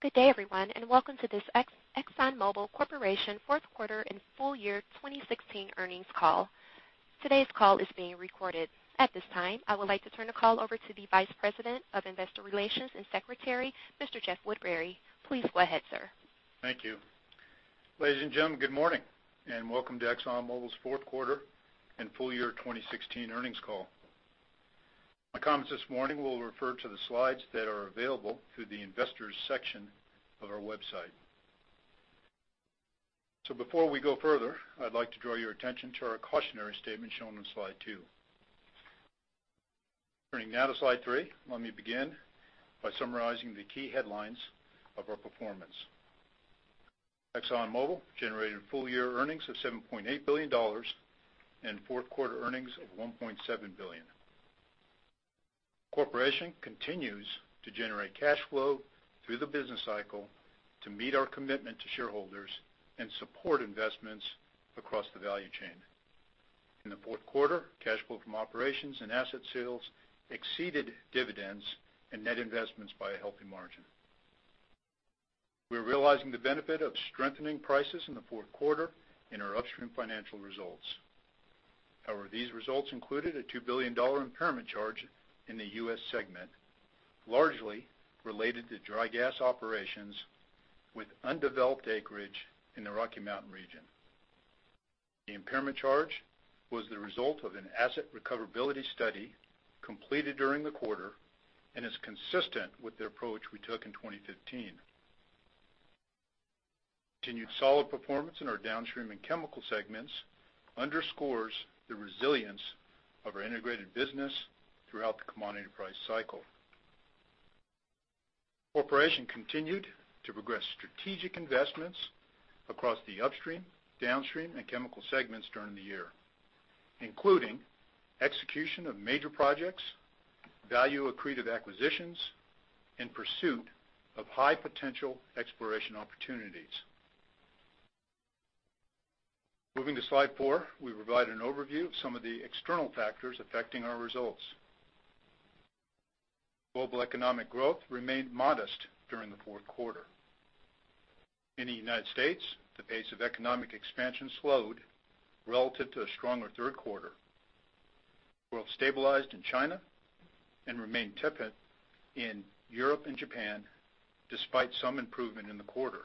Good day, everyone. Welcome to this ExxonMobil Corporation fourth quarter and full year 2016 earnings call. Today's call is being recorded. At this time, I would like to turn the call over to the Vice President of Investor Relations and Secretary, Mr. Jeff Woodbury. Please go ahead, sir. Thank you. Ladies and gentlemen, good morning, and welcome to ExxonMobil's fourth quarter and full year 2016 earnings call. My comments this morning will refer to the slides that are available through the Investors section of our website. Before we go further, I'd like to draw your attention to our cautionary statement shown on slide two. Turning now to slide three. Let me begin by summarizing the key headlines of our performance. ExxonMobil generated full-year earnings of $7.8 billion and fourth-quarter earnings of $1.7 billion. The corporation continues to generate cash flow through the business cycle to meet our commitment to shareholders and support investments across the value chain. In the fourth quarter, cash flow from operations and asset sales exceeded dividends and net investments by a healthy margin. We're realizing the benefit of strengthening prices in the fourth quarter in our upstream financial results. However, these results included a $2 billion impairment charge in the U.S. segment, largely related to dry gas operations with undeveloped acreage in the Rocky Mountain region. The impairment charge was the result of an asset recoverability study completed during the quarter and is consistent with the approach we took in 2015. Continued solid performance in our downstream and chemical segments underscores the resilience of our integrated business throughout the commodity price cycle. The corporation continued to progress strategic investments across the upstream, downstream, and chemical segments during the year, including execution of major projects, value-accretive acquisitions, and pursuit of high-potential exploration opportunities. Moving to slide four, we provide an overview of some of the external factors affecting our results. Global economic growth remained modest during the fourth quarter. In the U.S., the pace of economic expansion slowed relative to a stronger third quarter, while it stabilized in China and remained tepid in Europe and Japan despite some improvement in the quarter.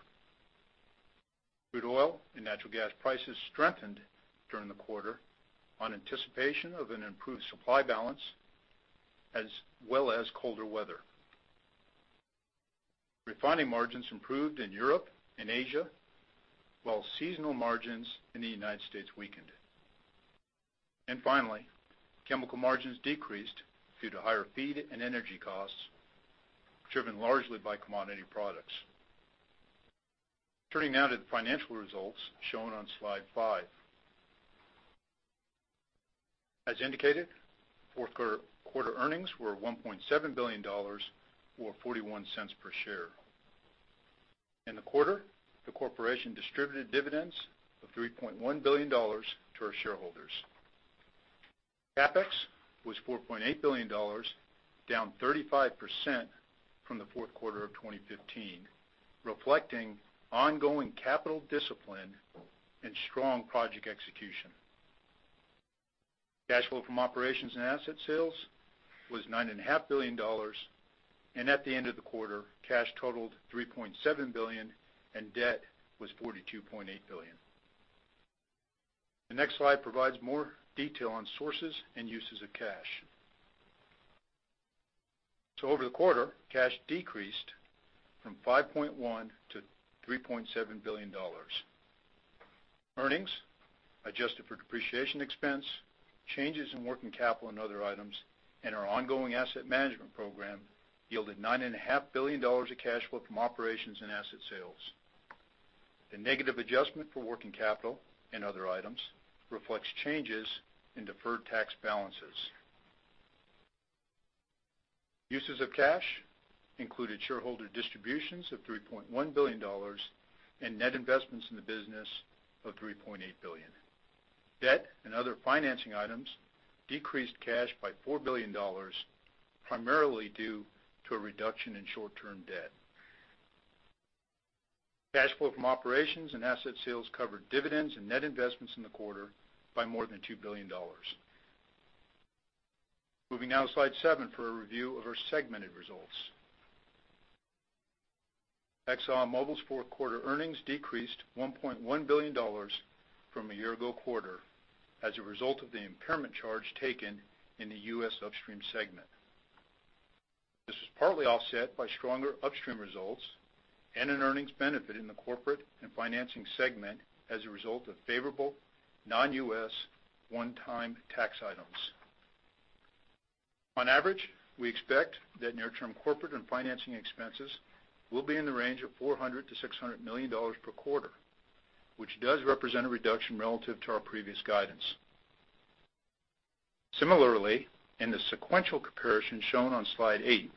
Crude oil and natural gas prices strengthened during the quarter on anticipation of an improved supply balance as well as colder weather. Refining margins improved in Europe and Asia, while seasonal margins in the U.S. weakened. Finally, chemical margins decreased due to higher feed and energy costs, driven largely by commodity products. Turning now to the financial results shown on slide five. As indicated, fourth quarter earnings were $1.7 billion or $0.41 per share. In the quarter, the corporation distributed dividends of $3.1 billion to our shareholders. CapEx was $4.8 billion, down 35% from the fourth quarter of 2015, reflecting ongoing capital discipline and strong project execution. Cash flow from operations and asset sales was nine and a half billion dollars. At the end of the quarter, cash totaled $3.7 billion, and debt was $42.8 billion. The next slide provides more detail on sources and uses of cash. Over the quarter, cash decreased from $5.1 billion to $3.7 billion. Earnings adjusted for depreciation expense, changes in working capital and other items, and our ongoing asset management program yielded nine and a half billion dollars of cash flow from operations and asset sales. The negative adjustment for working capital and other items reflects changes in deferred tax balances. Uses of cash included shareholder distributions of $3.1 billion and net investments in the business of $3.8 billion. Debt and other financing items decreased cash by $4 billion, primarily due to a reduction in short-term debt. Cash flow from operations and asset sales covered dividends and net investments in the quarter by more than $2 billion. Moving now to slide seven for a review of our segmented results. ExxonMobil's fourth-quarter earnings decreased $1.1 billion from a year ago quarter as a result of the impairment charge taken in the U.S. upstream segment. This was partly offset by stronger upstream results and an earnings benefit in the corporate and financing segment as a result of favorable non-U.S. one-time tax items. On average, we expect that near-term corporate and financing expenses will be in the range of $400 million-$600 million per quarter, which does represent a reduction relative to our previous guidance. Similarly, in the sequential comparison shown on slide eight,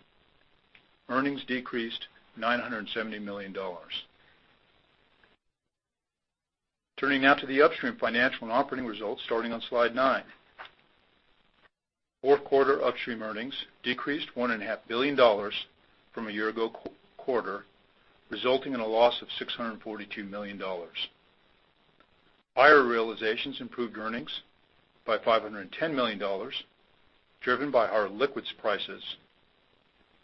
earnings decreased $970 million. Turning now to the Upstream financial and operating results starting on slide nine. Fourth quarter Upstream earnings decreased $1.5 billion from a year-ago quarter, resulting in a loss of $642 million. Higher realizations improved earnings by $510 million, driven by our liquids prices.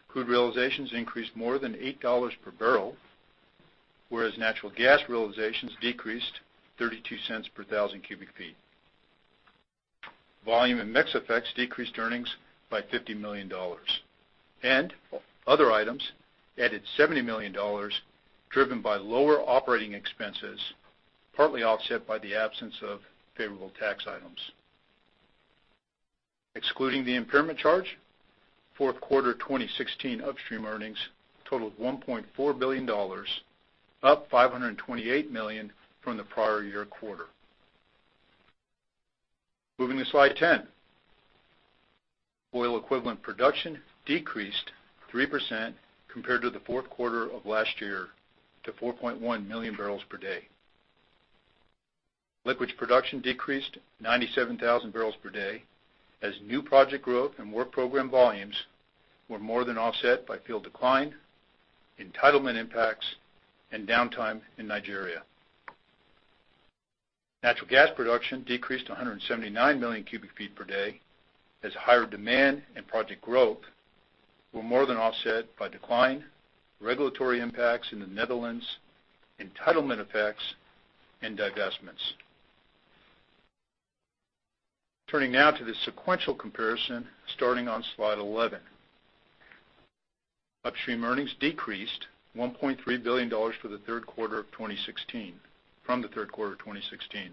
Crude realizations increased more than $8 dollars per barrel, whereas natural gas realizations decreased $0.32 per thousand cubic feet. Volume and mix effects decreased earnings by $50 million. Other items added $70 million, driven by lower operating expenses, partly offset by the absence of favorable tax items. Excluding the impairment charge, fourth quarter 2016 Upstream earnings totaled $1.4 billion, up $528 million from the prior year quarter. Moving to slide 10. Oil equivalent production decreased 3% compared to the fourth quarter of last year to 4.1 million bbl per day. Liquids production decreased 97,000 bbl per day as new project growth and work program volumes were more than offset by field decline, entitlement impacts, and downtime in Nigeria. Natural gas production decreased to 179 million cubic feet per day as higher demand and project growth were more than offset by decline, regulatory impacts in the Netherlands, entitlement effects, and divestments. Turning now to the sequential comparison starting on slide 11. Upstream earnings decreased $1.3 billion for the third quarter of 2016, from the third quarter of 2016.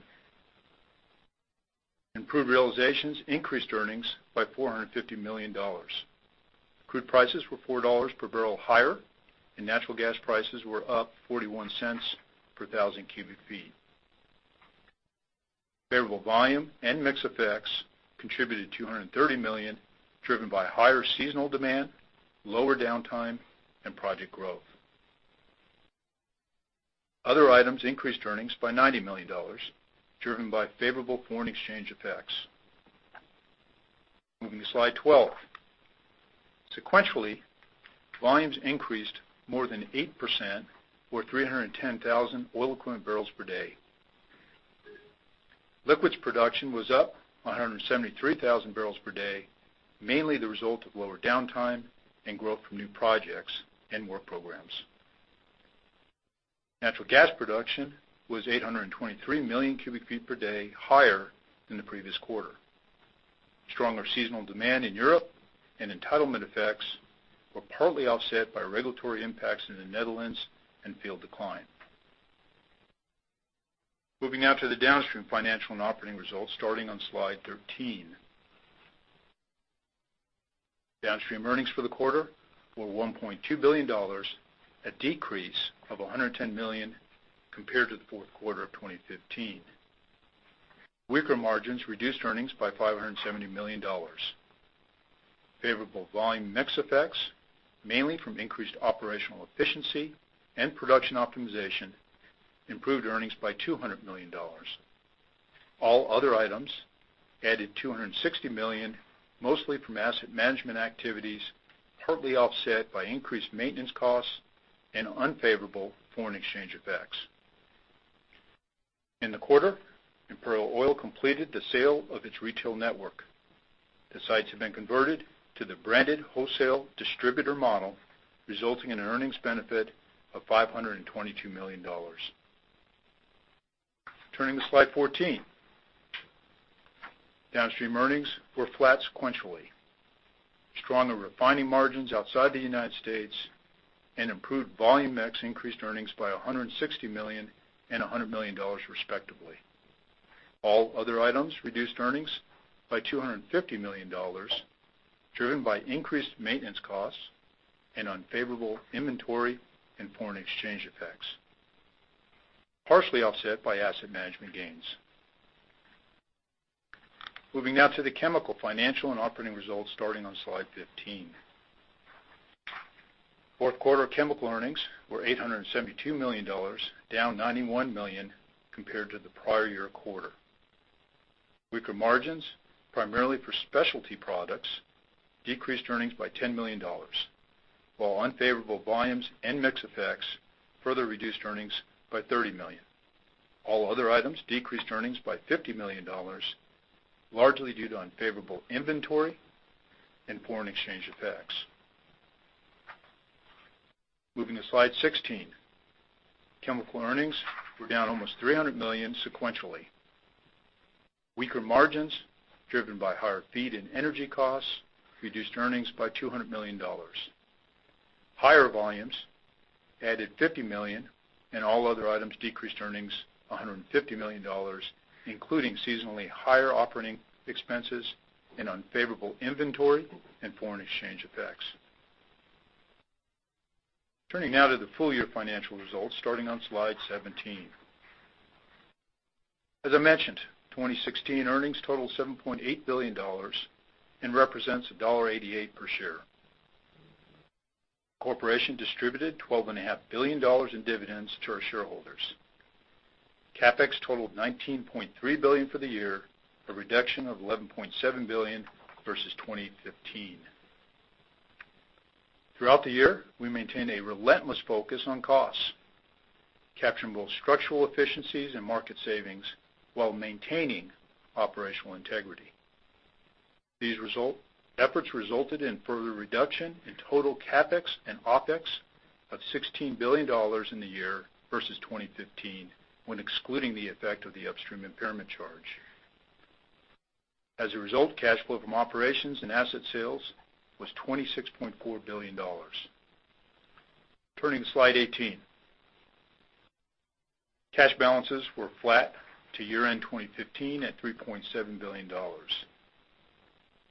Improved realizations increased earnings by $450 million. Crude prices were $4 per barrel higher, and natural gas prices were up $0.41 per 1,000 cubic feet. Favorable volume and mix effects contributed $230 million, driven by higher seasonal demand, lower downtime, and project growth. Other items increased earnings by $90 million, driven by favorable foreign exchange effects. Moving to slide 12. Sequentially, volumes increased more than 8% or 310,000 oil equivalent barrels per day. Liquids production was up 173,000 bbl per day, mainly the result of lower downtime and growth from new projects and work programs. Natural gas production was 823 million cubic feet per day higher than the previous quarter. Stronger seasonal demand in Europe and entitlement effects were partly offset by regulatory impacts in the Netherlands and field decline. Moving now to the Downstream financial and operating results starting on slide 13. Downstream earnings for the quarter were $1.2 billion, a decrease of $110 million compared to the fourth quarter of 2015. Weaker margins reduced earnings by $570 million. Favorable volume mix effects, mainly from increased operational efficiency and production optimization, improved earnings by $200 million. All other items added $260 million, mostly from asset management activities, partly offset by increased maintenance costs and unfavorable foreign exchange effects. In the quarter, Imperial Oil completed the sale of its retail network. The sites have been converted to the branded wholesale distributor model, resulting in an earnings benefit of $522 million. Turning to slide 14. Downstream earnings were flat sequentially. Stronger refining margins outside the U.S. and improved volume mix increased earnings by $160 million and $100 million respectively. All other items reduced earnings by $250 million driven by increased maintenance costs and unfavorable inventory and foreign exchange effects, partially offset by asset management gains. Moving now to the chemical financial and operating results starting on slide 15. Fourth quarter chemical earnings were $872 million, down $91 million compared to the prior year quarter. Weaker margins, primarily for specialty products, decreased earnings by $10 million, while unfavorable volumes and mix effects further reduced earnings by $30 million. All other items decreased earnings by $50 million, largely due to unfavorable inventory and foreign exchange effects. Moving to slide 16. Chemical earnings were down almost $300 million sequentially. Weaker margins driven by higher feed and energy costs reduced earnings by $200 million. Higher volumes added $50 million, and all other items decreased earnings $150 million, including seasonally higher operating expenses and unfavorable inventory and foreign exchange effects. Turning now to the full year financial results starting on slide 17. As I mentioned, 2016 earnings totaled $7.8 billion and represents $1.88 per share. Corporation distributed $12.5 billion in dividends to our shareholders. CapEx totaled $19.3 billion for the year, a reduction of $11.7 billion versus 2015. Throughout the year, we maintained a relentless focus on costs, capturing both structural efficiencies and market savings while maintaining operational integrity. These efforts resulted in further reduction in total CapEx and OpEx of $16 billion in the year versus 2015 when excluding the effect of the upstream impairment charge. As a result, cash flow from operations and asset sales was $26.4 billion. Turning to slide 18. Cash balances were flat to year-end 2015 at $3.7 billion.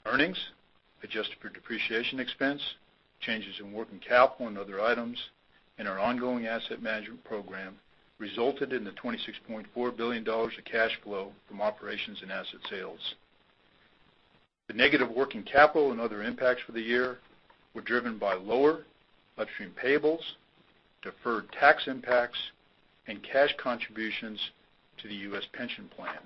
Earnings, adjusted for depreciation expense, changes in working capital and other items, and our ongoing asset management program resulted in the $26.4 billion of cash flow from operations and asset sales. The negative working capital and other impacts for the year were driven by lower upstream payables, deferred tax impacts, and cash contributions to the U.S. pension plan.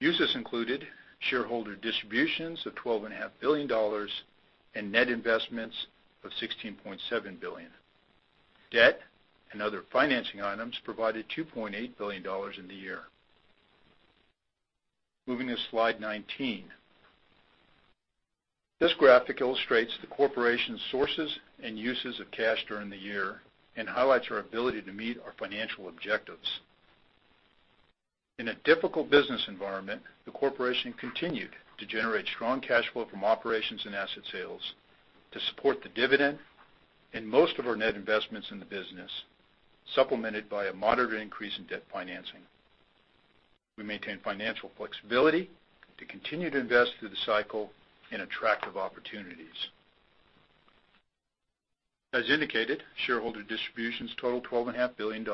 Uses included shareholder distributions of $12.5 billion and net investments of $16.7 billion. Debt and other financing items provided $2.8 billion in the year. Moving to slide 19. This graphic illustrates the corporation's sources and uses of cash during the year and highlights our ability to meet our financial objectives. In a difficult business environment, the corporation continued to generate strong cash flow from operations and asset sales to support the dividend and most of our net investments in the business, supplemented by a moderate increase in debt financing. We maintain financial flexibility to continue to invest through the cycle in attractive opportunities. As indicated, shareholder distributions totaled $12.5 billion.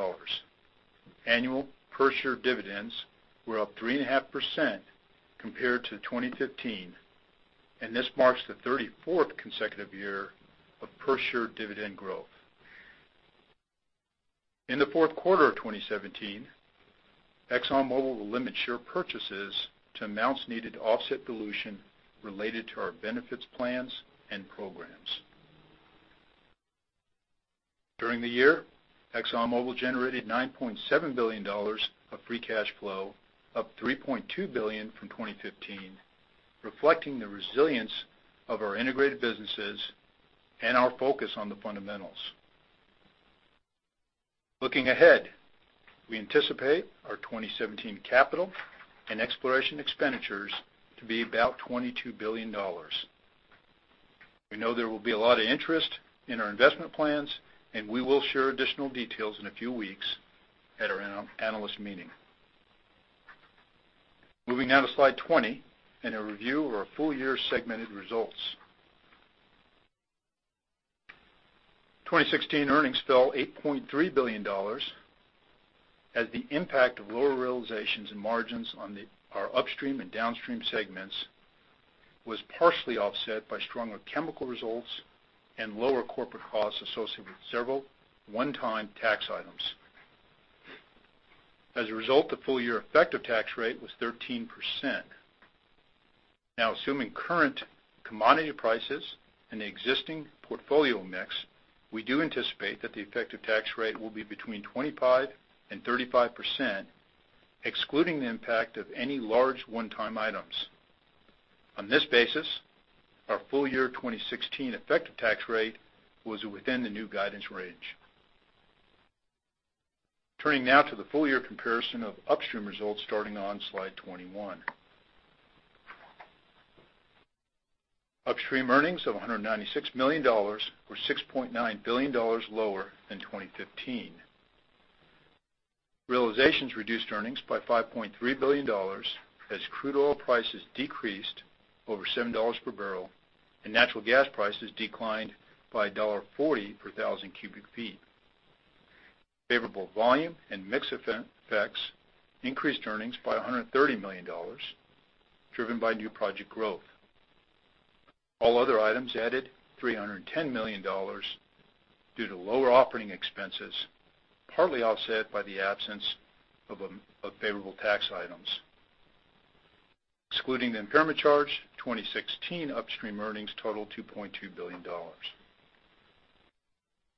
Annual per-share dividends were up 3.5% compared to 2015, and this marks the 34th consecutive year of per-share dividend growth. In the fourth quarter of 2017, ExxonMobil will limit share purchases to amounts needed to offset dilution related to our benefits plans and programs. During the year, ExxonMobil generated $9.7 billion of free cash flow, up $3.2 billion from 2015, reflecting the resilience of our integrated businesses and our focus on the fundamentals. Looking ahead, we anticipate our 2017 capital and exploration expenditures to be about $22 billion. We know there will be a lot of interest in our investment plans, and we will share additional details in a few weeks at our analyst meeting. Moving now to slide 20 and a review of our full-year segmented results. 2016 earnings fell $8.3 billion as the impact of lower realizations and margins on our upstream and downstream segments was partially offset by stronger chemical results and lower corporate costs associated with several one-time tax items. As a result, the full-year effective tax rate was 13%. Assuming current commodity prices and the existing portfolio mix, we do anticipate that the effective tax rate will be between 25% and 35%, excluding the impact of any large one-time items. On this basis, our full-year 2016 effective tax rate was within the new guidance range. Turning now to the full-year comparison of upstream results starting on slide 21. Upstream earnings of $196 million were $6.9 billion lower than 2015. Realizations reduced earnings by $5.3 billion as crude oil prices decreased over $7 per barrel and natural gas prices declined by $1.40 per thousand cubic feet. Favorable volume and mix effects increased earnings by $130 million, driven by new project growth. All other items added $310 million due to lower operating expenses, partly offset by the absence of favorable tax items. Excluding the impairment charge, 2016 upstream earnings totaled $2.2 billion.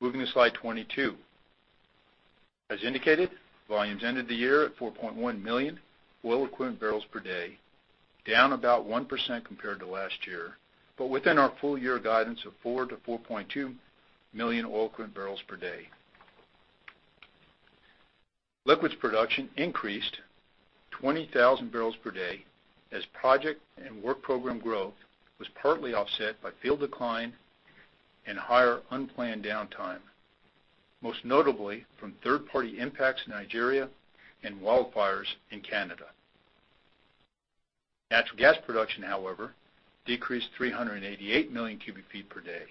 Moving to slide 22. As indicated, volumes ended the year at 4.1 million oil equivalent barrels per day, down about 1% compared to last year, but within our full-year guidance of 4 million-4.2 million oil equivalent barrels per day. Liquids production increased 20,000 bbl per day as project and work program growth was partly offset by field decline and higher unplanned downtime, most notably from third-party impacts in Nigeria and wildfires in Canada. Natural gas production, however, decreased 388 million cubic feet per day.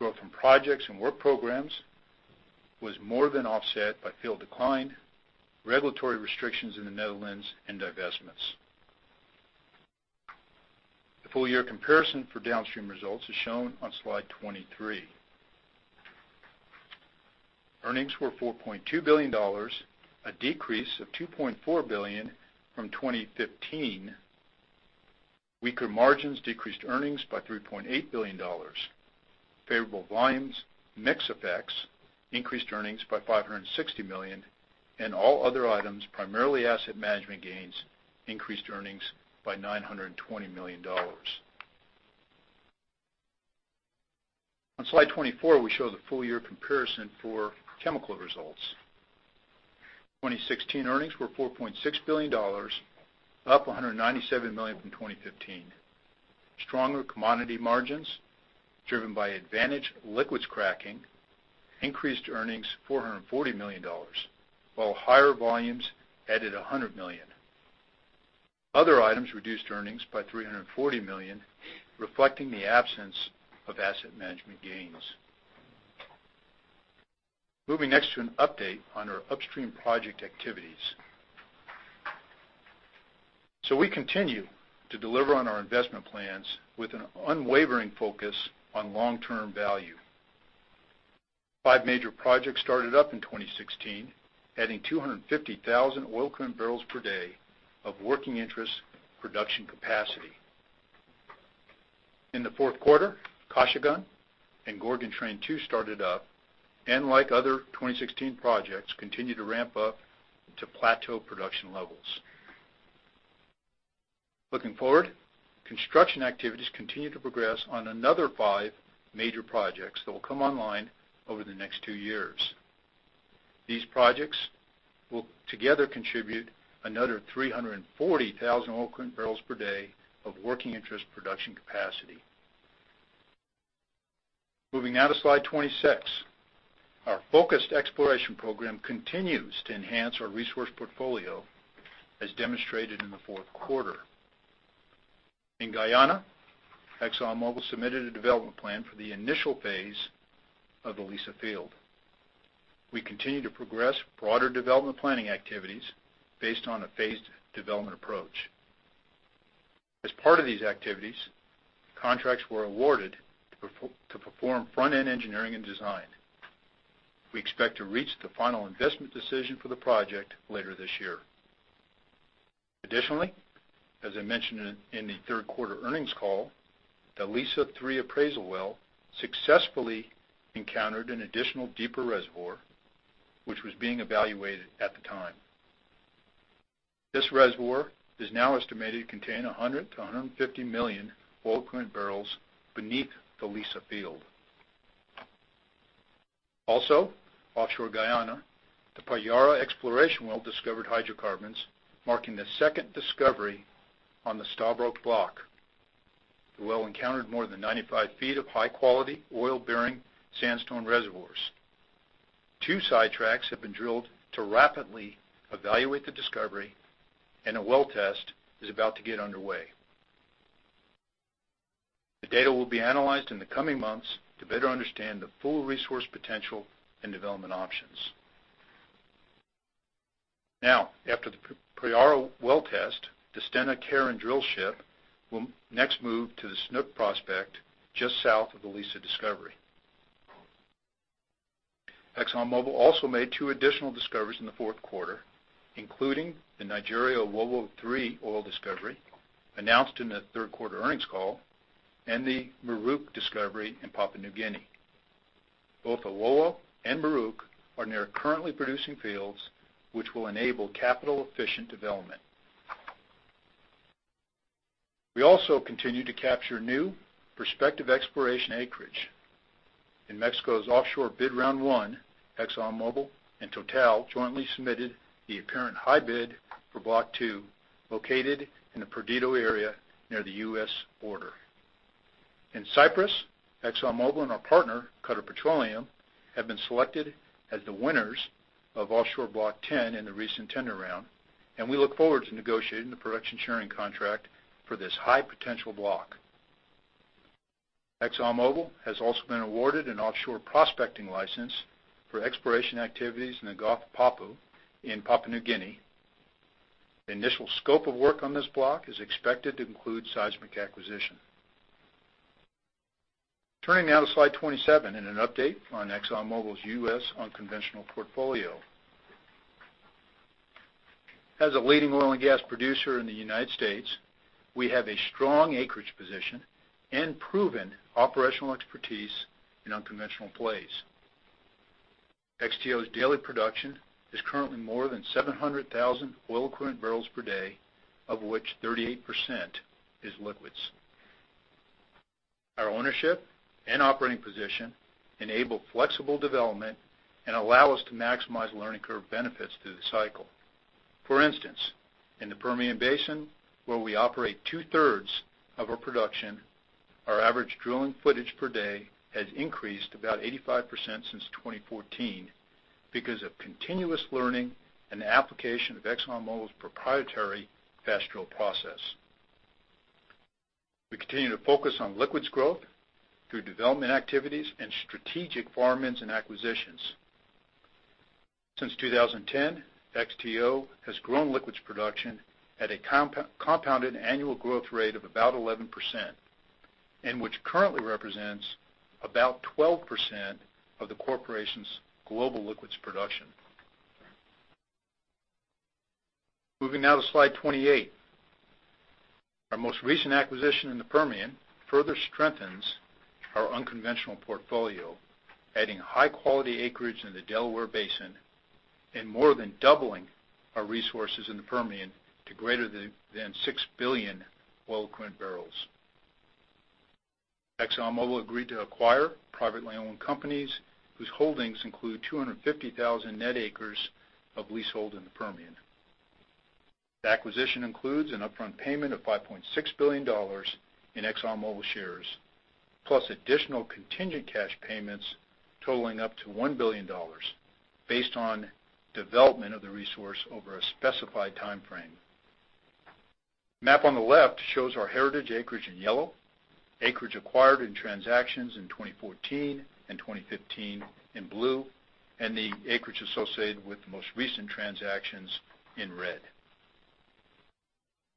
Growth from projects and work programs was more than offset by field decline, regulatory restrictions in the Netherlands and divestments. The full year comparison for Downstream results is shown on slide 23. Earnings were $4.2 billion, a decrease of $2.4 billion from 2015. Weaker margins decreased earnings by $3.8 billion. Favorable volumes, mix effects increased earnings by $560 million. All other items, primarily asset management gains, increased earnings by $920 million. On slide 24, we show the full year comparison for Chemical results. 2016 earnings were $4.6 billion, up $197 million from 2015. Stronger commodity margins driven by advantaged liquids cracking increased earnings $440 million, while higher volumes added $100 million. Other items reduced earnings by $340 million, reflecting the absence of asset management gains. Moving next to an update on our Upstream project activities. We continue to deliver on our investment plans with an unwavering focus on long-term value. Five major projects started up in 2016, adding 250,000 oil equivalent barrels per day of working interest production capacity. In the 4th quarter, Kashagan and Gorgon Train 2 started up. Like other 2016 projects, they continue to ramp up to plateau production levels. Looking forward, construction activities continue to progress on another five major projects that will come online over the next two years. These projects will together contribute another 340,000 oil equivalent barrels per day of working interest production capacity. Moving now to slide 26. Our focused exploration program continues to enhance our resource portfolio as demonstrated in the 4th quarter. In Guyana, ExxonMobil submitted a development plan for the initial phase of the Liza field. We continue to progress broader development planning activities based on a phased development approach. As part of these activities, contracts were awarded to perform front-end engineering and design. We expect to reach the final investment decision for the project later this year. Additionally, as I mentioned in the third quarter earnings call, the Liza-3 appraisal well successfully encountered an additional deeper reservoir which was being evaluated at the time. This reservoir is now estimated to contain 100 million to 150 million oil equivalent barrels beneath the Liza field. Offshore Guyana, the Payara exploration well discovered hydrocarbons, marking the second discovery on the Stabroek Block. The well encountered more than 95 feet of high-quality oil-bearing sandstone reservoirs. Two sidetracks have been drilled to rapidly evaluate the discovery, and a well test is about to get underway. The data will be analyzed in the coming months to better understand the full resource potential and development options. After the Payara well test, the Stena Carron drillship will next move to the Snoek prospect just south of the Liza discovery. ExxonMobil also made two additional discoveries in the fourth quarter, including the Nigeria Owowo-3 oil discovery announced in the third quarter earnings call and the Muruk discovery in Papua New Guinea. Both Owowo and Muruk are near currently producing fields which will enable capital-efficient development. We also continue to capture new prospective exploration acreage. In Mexico's Offshore Bid Round One, ExxonMobil and Total jointly submitted the apparent high bid for Block 2 located in the Perdido area near the U.S. border. In Cyprus, ExxonMobil and our partner, Qatar Petroleum, have been selected as the winners of Offshore Block 10 in the recent tender round, and we look forward to negotiating the production sharing contract for this high potential block. ExxonMobil has also been awarded an offshore prospecting license for exploration activities in the Gulf of Papua in Papua New Guinea. The initial scope of work on this block is expected to include seismic acquisition. Turning now to slide 27 and an update on ExxonMobil's U.S. unconventional portfolio. As a leading oil and gas producer in the United States, we have a strong acreage position and proven operational expertise in unconventional plays. XTO's daily production is currently more than 700,000 oil equivalent barrels per day, of which 38% is liquids. Our ownership and operating position enable flexible development and allow us to maximize learning curve benefits through the cycle. For instance, in the Permian Basin, where we operate two-thirds of our production, our average drilling footage per day has increased about 85% since 2014 because of continuous learning and application of ExxonMobil's proprietary FastDrill process. We continue to focus on liquids growth through development activities and strategic farm-ins and acquisitions. Since 2010, XTO has grown liquids production at a compounded annual growth rate of about 11%, and which currently represents about 12% of the corporation's global liquids production. Moving now to slide 28. Our most recent acquisition in the Permian further strengthens our unconventional portfolio, adding high-quality acreage in the Delaware Basin and more than doubling our resources in the Permian to greater than 6 billion oil equivalent barrels. ExxonMobil agreed to acquire privately-owned companies whose holdings include 250,000 net acres of leasehold in the Permian. The acquisition includes an upfront payment of $5.6 billion in ExxonMobil shares, plus additional contingent cash payments totaling up to $1 billion based on development of the resource over a specified timeframe. Map on the left shows our heritage acreage in yellow, acreage acquired in transactions in 2014 and 2015 in blue, and the acreage associated with the most recent transactions in red.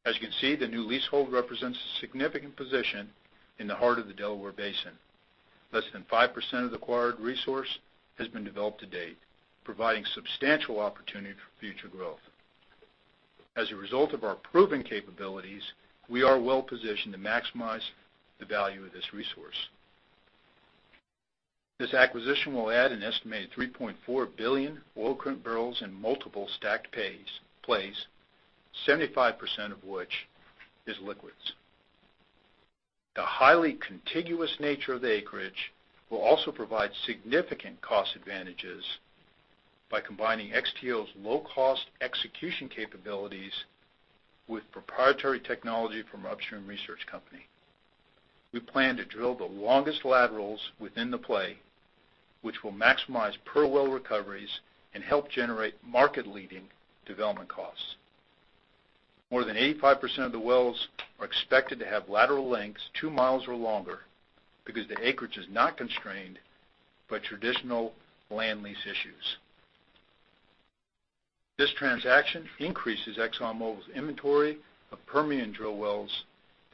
As you can see, the new leasehold represents a significant position in the heart of the Delaware Basin. Less than 5% of the acquired resource has been developed to date, providing substantial opportunity for future growth. As a result of our proven capabilities, we are well-positioned to maximize the value of this resource. This acquisition will add an estimated 3.4 billion oil equivalent barrels in multiple stacked plays, 75% of which is liquids. The highly contiguous nature of the acreage will also provide significant cost advantages by combining XTO's low-cost execution capabilities with proprietary technology from our Upstream Research Company. We plan to drill the longest laterals within the play, which will maximize per-well recoveries and help generate market-leading development costs. More than 85% of the wells are expected to have lateral lengths 2 miles or longer because the acreage is not constrained by traditional land lease issues. This transaction increases ExxonMobil's inventory of Permian drill wells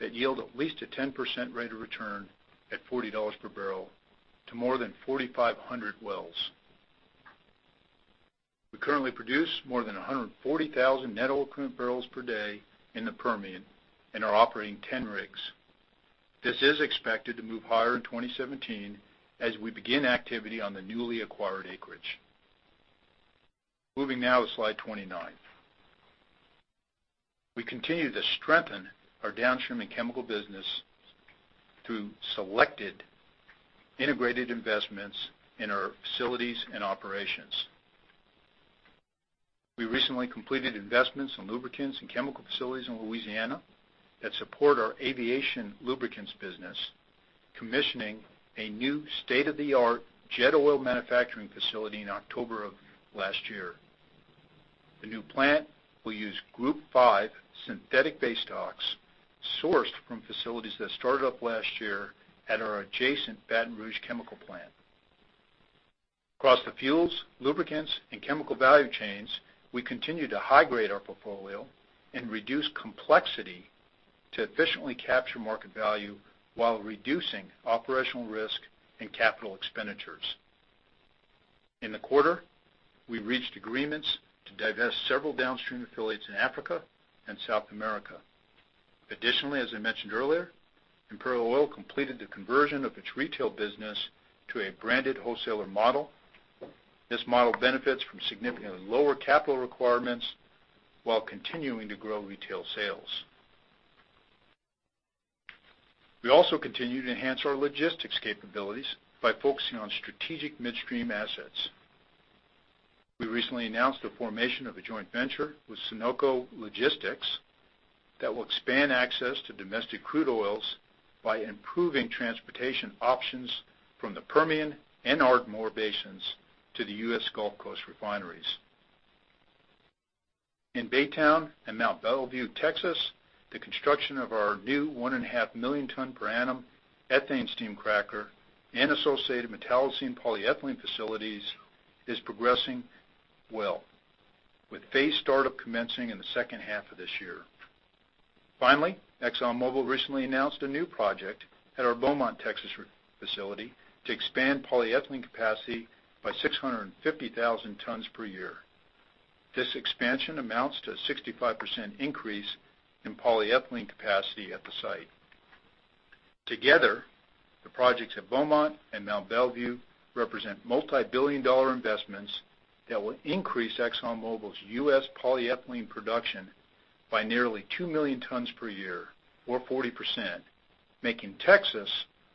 that yield at least a 10% rate of return at $40 per barrel to more than 4,500 wells. We currently produce more than 140,000 net oil equivalent barrels per day in the Permian and are operating 10 rigs. This is expected to move higher in 2017 as we begin activity on the newly acquired acreage. Moving now to slide 29. We continue to strengthen our downstream and chemical business through selected integrated investments in our facilities and operations. We recently completed investments in lubricants and chemical facilities in Louisiana that support our aviation lubricants business, commissioning a new state-of-the-art jet oil manufacturing facility in October of last year. The new plant will use Group V synthetic base stocks sourced from facilities that started up last year at our adjacent Baton Rouge chemical plant. Across the fuels, lubricants, and chemical value chains, we continue to high-grade our portfolio and reduce complexity to efficiently capture market value while reducing operational risk and capital expenditures. In the quarter, we reached agreements to divest several downstream affiliates in Africa and South America. Additionally, as I mentioned earlier, Imperial Oil completed the conversion of its retail business to a branded wholesaler model. This model benefits from significantly lower capital requirements while continuing to grow retail sales. We also continue to enhance our logistics capabilities by focusing on strategic midstream assets. We recently announced the formation of a joint venture with Sunoco Logistics that will expand access to domestic crude oils by improving transportation options from the Permian and Ardmore Basins to the U.S. Gulf Coast refineries. In Baytown and Mont Belvieu, Texas, the construction of our new 1.5 million ton per annum ethane steam cracker and associated metallocene polyethylene facilities is progressing well with phased start-up commencing in the second half of this year. Finally, ExxonMobil recently announced a new project at our Beaumont, Texas facility to expand polyethylene capacity by 650,000 tons per year. This expansion amounts to a 65% increase in polyethylene capacity at the site. Together, the projects at Beaumont and Mont Belvieu represent multibillion dollar investments that will increase ExxonMobil's U.S. polyethylene production by nearly 2 million tons per year or 40%, making Texas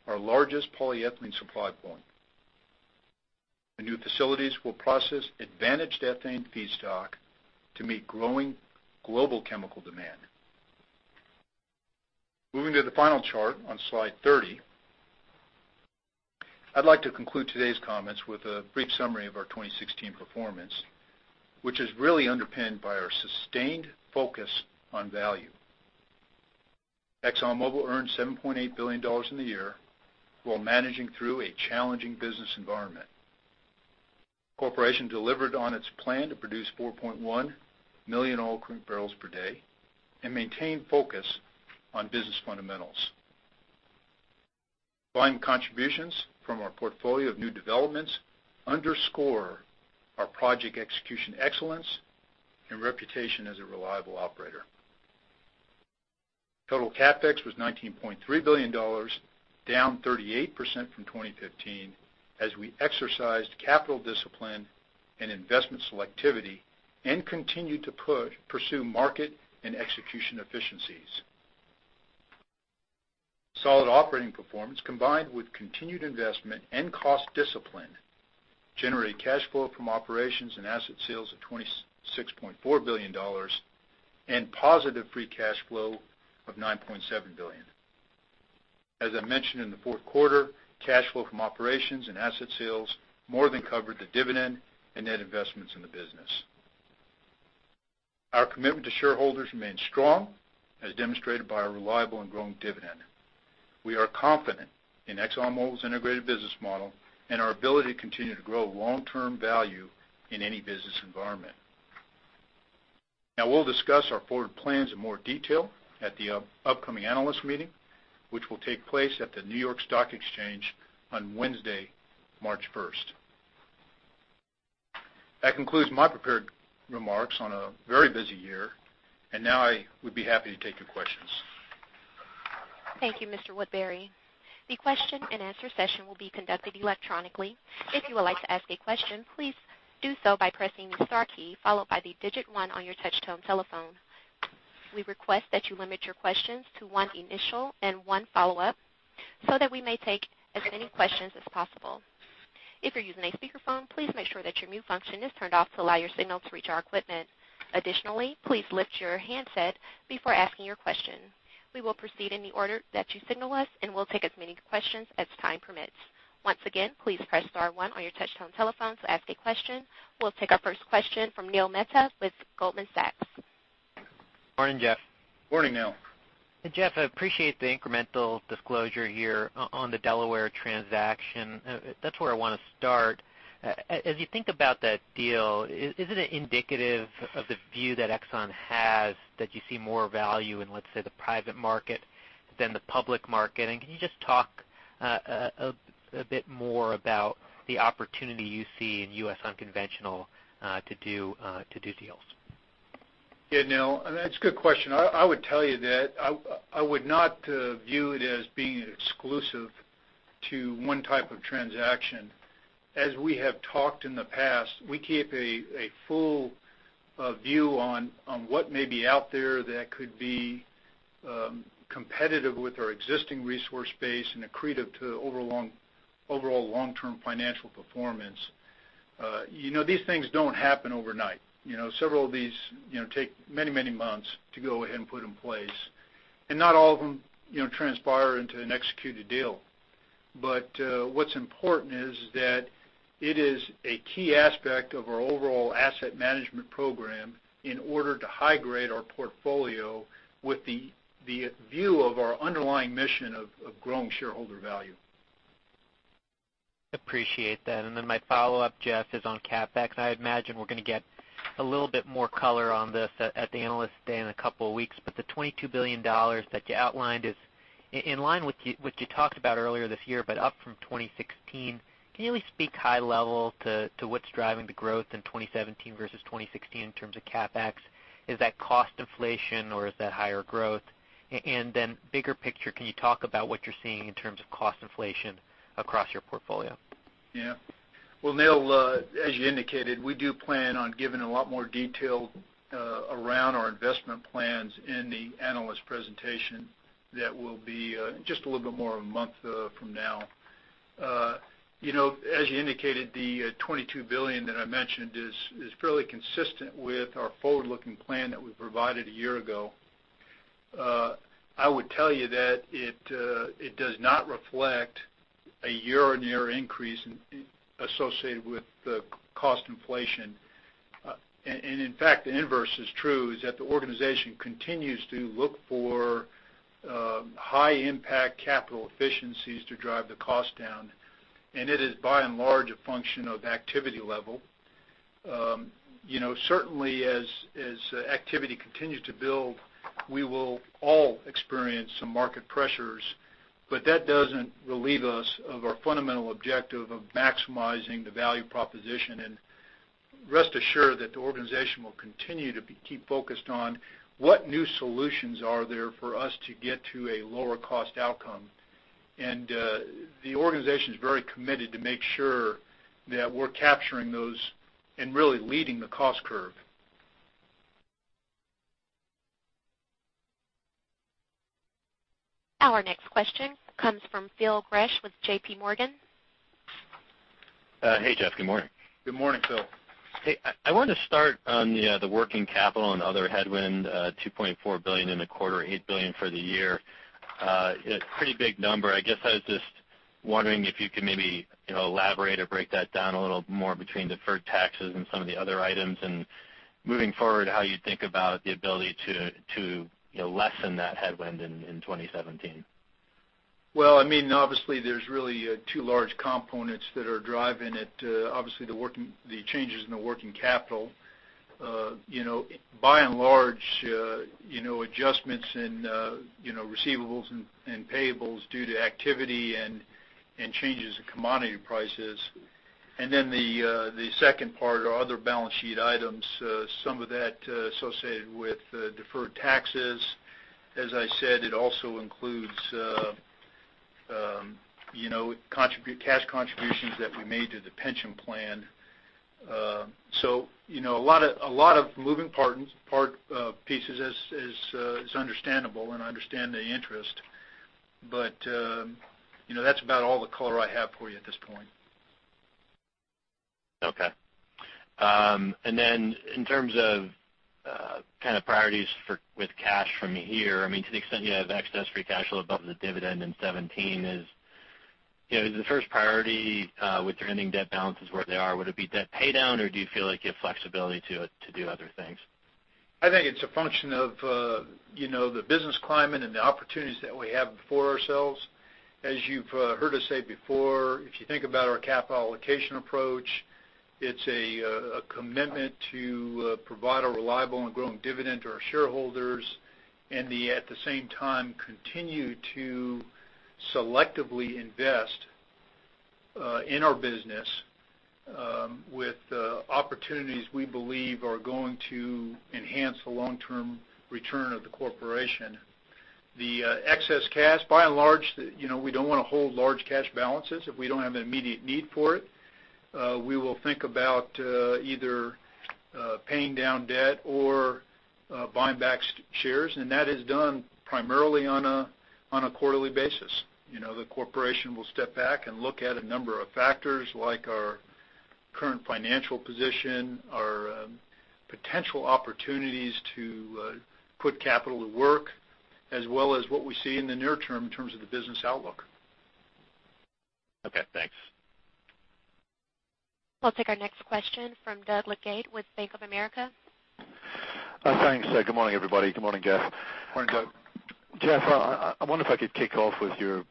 our largest polyethylene supply point. The new facilities will process advantaged ethane feedstock to meet growing global chemical demand. Moving to the final chart on slide 30. I'd like to conclude today's comments with a brief summary of our 2016 performance, which is really underpinned by our sustained focus on value. ExxonMobil earned $7.8 billion in the year while managing through a challenging business environment. Corporation delivered on its plan to produce 4.1 million oil equivalent barrels per day and maintain focus on business fundamentals. Volume contributions from our portfolio of new developments underscore our project execution excellence and reputation as a reliable operator. Total CapEx was $19.3 billion, down 38% from 2015 as we exercised capital discipline and investment selectivity and continued to pursue market and execution efficiencies. Solid operating performance combined with continued investment and cost discipline generated cash flow from operations and asset sales of $26.4 billion and positive free cash flow of $9.7 billion. As I mentioned in the fourth quarter, cash flow from operations and asset sales more than covered the dividend and net investments in the business. Our commitment to shareholders remains strong, as demonstrated by our reliable and growing dividend. We are confident in ExxonMobil's integrated business model and our ability to continue to grow long-term value in any business environment. Now we'll discuss our forward plans in more detail at the upcoming analyst meeting, which will take place at the New York Stock Exchange on Wednesday, March first. That concludes my prepared remarks on a very busy year. Now I would be happy to take your questions. Thank you, Mr. Woodbury. The question-and-answer session will be conducted electronically. If you would like to ask a question, please do so by pressing star key followed by the digit one on your touchtone telephone. We request that you limit your questions to one initial and one follow-up so that we may take as many questions as possible. If you're using a speakerphone, please make sure that your mute function is turned off to allow your signal to reach our equipment. Additionally, please lift your handset before asking your question. We will proceed in the order that you signal us, and we'll take as many questions as time permits. Once again, please press star one on your touchtone telephone to ask a question. We'll take our first question from Neil Mehta with Goldman Sachs. Morning, Jeff. Morning, Neil. Jeff, I appreciate the incremental disclosure here on the Delaware transaction. That's where I wanna start. As you think about that deal, is it indicative of the view that Exxon has that you see more value in, let's say, the private market than the public market? Can you just talk a bit more about the opportunity you see in U.S. unconventional to do deals? Yeah, Neil, that's a good question. I would tell you that I would not view it as being exclusive to one type of transaction. As we have talked in the past, we keep a full view on what may be out there that could be competitive with our existing resource base and accretive to overall long-term financial performance. You know, these things don't happen overnight. You know, several of these, you know, take many months to go ahead and put in place, not all of them, you know, transpire into an executed deal. What's important is that it is a key aspect of our overall asset management program in order to high grade our portfolio with the view of our underlying mission of growing shareholder value. Appreciate that. My follow-up, Jeff, is on CapEx. I imagine we're gonna get a little bit more color on this at the Analyst Day in a couple of weeks, but the $22 billion that you outlined is in line with what you talked about earlier this year, but up from 2016. Can you at least speak high level to what's driving the growth in 2017 versus 2016 in terms of CapEx? Is that cost inflation or is that higher growth? Then bigger picture, can you talk about what you're seeing in terms of cost inflation across your portfolio? Well, Neil, as you indicated, we do plan on giving a lot more detail around our investment plans in the analyst presentation that will be just a little bit more a month from now. You know, as you indicated, the $22 billion that I mentioned is fairly consistent with our forward-looking plan that we provided a year ago. I would tell you that it does not reflect a year-on-year increase associated with the cost inflation. In fact, the inverse is true, is that the organization continues to look for high impact capital efficiencies to drive the cost down, and it is by and large a function of activity level. You know, certainly as activity continues to build, we will all experience some market pressures, but that doesn't relieve us of our fundamental objective of maximizing the value proposition. Rest assured that the organization will continue to keep focused on what new solutions are there for us to get to a lower cost outcome. The organization is very committed to make sure that we're capturing those and really leading the cost curve. Our next question comes from Phil Gresh with JPMorgan. Hey, Jeff. Good morning. Good morning, Phil. Hey, I wanted to start on the working capital and other headwind, $2.4 billion in the quarter, $8 billion for the year. A pretty big number. I guess I was just wondering if you could maybe, you know, elaborate or break that down a little more between deferred taxes and some of the other items, and moving forward, how you think about the ability to, you know, lessen that headwind in 2017. Well, I mean, obviously there's really two large components that are driving it. Obviously the changes in the working capital. You know, by and large, you know, adjustments in, you know, receivables and payables due to activity and changes in commodity prices. The second part are other balance sheet items, some of that associated with deferred taxes. As I said, it also includes, you know, cash contributions that we made to the pension plan. You know, a lot of, a lot of moving part pieces is understandable, and I understand the interest. You know, that's about all the color I have for you at this point. Okay. In terms of kind of priorities for with cash from here, I mean, to the extent you have excess free cash flow above the dividend in 2017 is, you know, is the first priority, with your ending debt balances where they are, would it be debt pay down, or do you feel like you have flexibility to do other things? I think it's a function of, you know, the business climate and the opportunities that we have before ourselves. As you've heard us say before, if you think about our capital allocation approach, it's a commitment to provide a reliable and growing dividend to our shareholders and the, at the same time, continue to selectively invest in our business with opportunities we believe are going to enhance the long-term return of the corporation. The excess cash, by and large, you know, we don't wanna hold large cash balances if we don't have an immediate need for it. We will think about either paying down debt or buying back shares, and that is done primarily on a quarterly basis. You know, the corporation will step back and look at a number of factors like our current financial position, our potential opportunities to put capital to work, as well as what we see in the near term in terms of the business outlook. Okay, thanks. We'll take our next question from Doug Leggate with Bank of America. Thanks. Good morning, everybody. Good morning, Jeff. Morning, Doug. Jeff, I wonder if I could kick off with your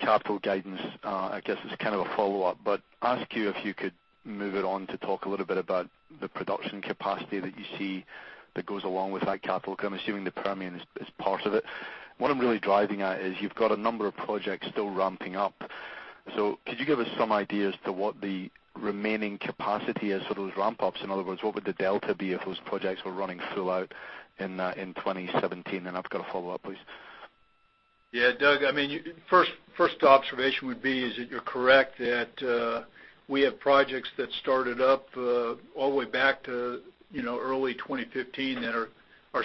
capital guidance. I guess as kind of a follow-up, ask you if you could move it on to talk a little bit about the production capacity that you see that goes along with that capital, 'cause I'm assuming the Permian is part of it. What I'm really driving at is you've got a number of projects still ramping up, could you give us some idea as to what the remaining capacity is for those ramp-ups? In other words, what would the delta be if those projects were running full out in 2017? I've got a follow-up, please. Yeah, Doug, I mean, first observation would be is that you're correct that we have projects that started up all the way back to, you know, early 2015 that are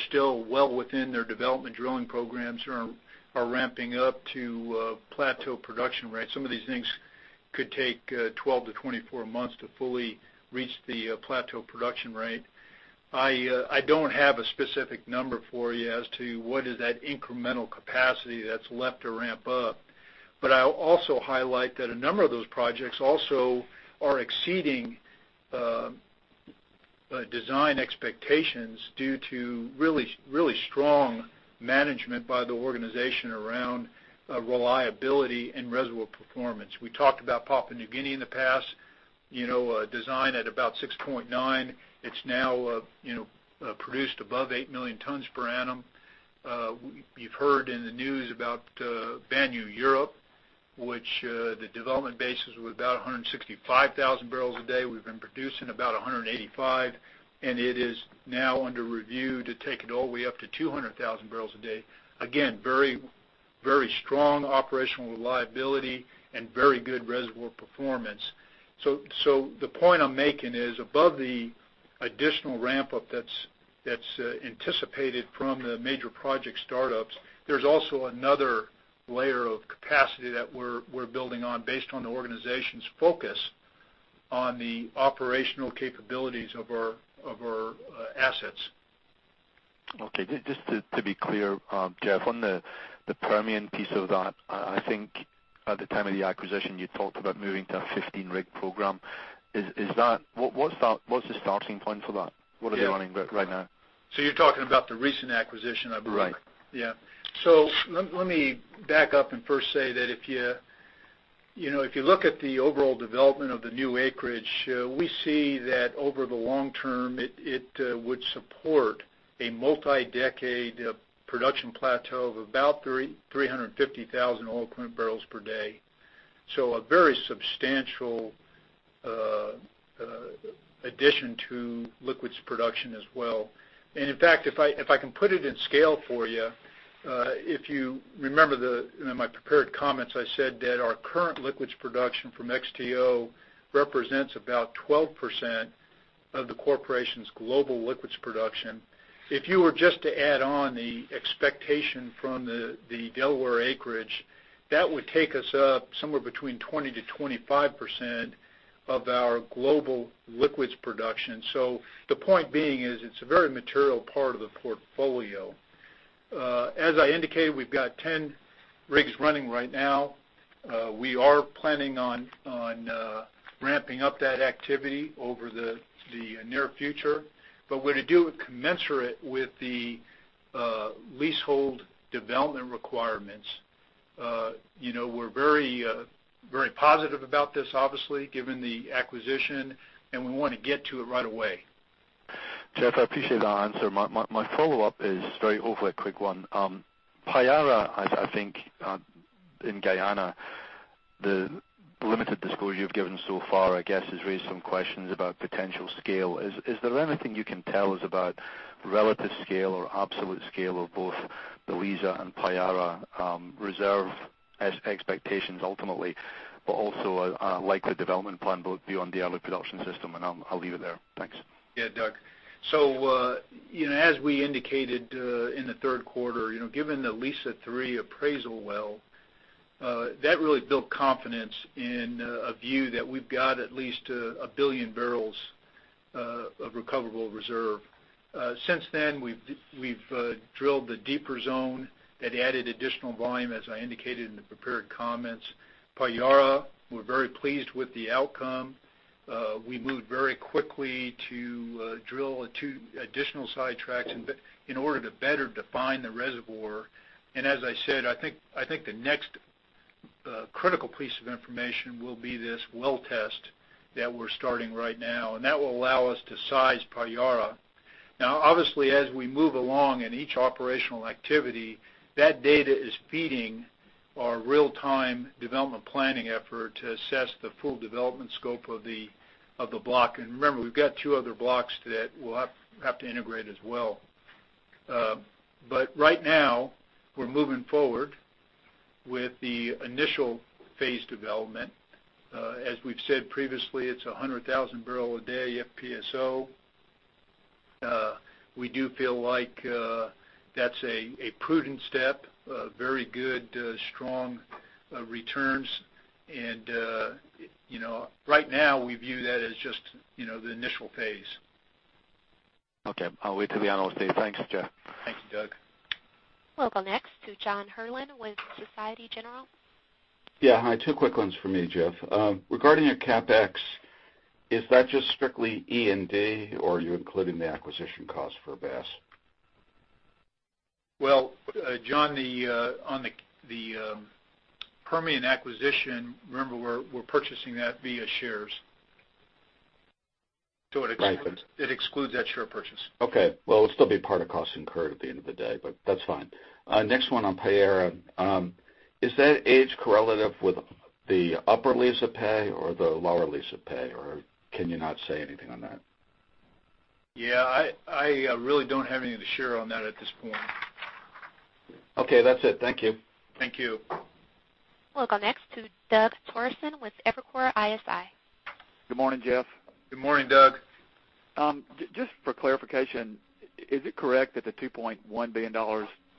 still well within their development drilling programs or are ramping up to plateau production rates. Some of these things could take 12 to 24 months to fully reach the plateau production rate. I don't have a specific number for you as to what is that incremental capacity that's left to ramp up. I'll also highlight that a number of those projects also are exceeding design expectations due to really, really strong management by the organization around reliability and reservoir performance. We talked about Papua New Guinea in the past, you know, design at about 6.9. It's now, you know, produced above 8 million tons per annum. You've heard in the news about Banyu Urip, which the development basis was about 165,000 bbl a day. We've been producing about 185, and it is now under review to take it all the way up to 200,000 bbl a day. Again, very, very strong operational reliability and very good reservoir performance. The point I'm making is above the additional ramp-up that's anticipated from the major project startups, there's also another layer of capacity that we're building on based on the organization's focus on the operational capabilities of our assets. Okay. Just to be clear, Jeff, on the Permian piece of that, I think at the time of the acquisition you talked about moving to a 15 rig program. Is that what's the starting point for that? Yeah. What are they running right now? You're talking about the recent acquisition, I believe. Right. Let me back up and first say that if you know, if you look at the overall development of the new acreage, we see that over the long term, it would support a multi-decade production plateau of about 350,000 oil equivalent barrels per day. A very substantial addition to liquids production as well. In fact, if I can put it in scale for you, if you remember the, you know, my prepared comments, I said that our current liquids production from XTO represents about 12% of the corporation's global liquids production. If you were just to add on the expectation from the Delaware acreage, that would take us up somewhere between 20%-25% of our global liquids production. The point being is it's a very material part of the portfolio. As I indicated, we've got 10 rigs running right now. We are planning on ramping up that activity over the near future. We're to do it commensurate with the leasehold development requirements. You know, we're very, very positive about this, obviously, given the acquisition, and we wanna get to it right away. Jeff, I appreciate that answer. My follow-up is very hopefully a quick one. Payara, I think in Guyana, the limited disclosure you've given so far, I guess, has raised some questions about potential scale. Is there anything you can tell us about relative scale or absolute scale of both the Liza and Payara, reserve expectations ultimately, but also a likely development plan both beyond the early production system? I'll leave it there. Thanks. Doug. You know, as we indicated in the third quarter, you know, given the Liza-3 appraisal well, that really built confidence in a view that we've got at least 1 billion bbl of recoverable reserve. Since then, we've drilled the deeper zone that added additional volume, as I indicated in the prepared comments. Payara, we're very pleased with the outcome. We moved very quickly to drill two additional sidetracks in order to better define the reservoir. As I said, I think the next critical piece of information will be this well test that we're starting right now, and that will allow us to size Payara. Obviously, as we move along in each operational activity, that data is feeding our real-time development planning effort to assess the full development scope of the block. Remember, we've got two other blocks to that we'll have to integrate as well. Right now, we're moving forward with the initial phase development. As we've said previously, it's a 100,000 bbl a day FPSO. We do feel like that's a prudent step, very good, strong returns. You know, right now, we view that as just, you know, the initial phase. Okay. I'll wait till the analyst day. Thanks, Jeff. Thank you, Doug. We'll go next to John P. Herrlin Jr. with Société Générale. Yeah. Hi. Two quick ones for me, Jeff. Regarding your CapEx, is that just strictly E&P, or are you including the acquisition cost for Bass? Well, John, on the Permian acquisition, remember we're purchasing that via shares. Right. It excludes that share purchase. Okay. Well, it'll still be part of costs incurred at the end of the day, but that's fine. Next one on Payara. Is that age correlative with the upper Liza pay or the lower Liza pay, or can you not say anything on that? Yeah. I really don't have anything to share on that at this point. Okay, that's it. Thank you. Thank you. We'll go next to Doug Terreson with Evercore ISI. Good morning, Jeff. Good morning, Doug. Just for clarification, is it correct that the $2.1 billion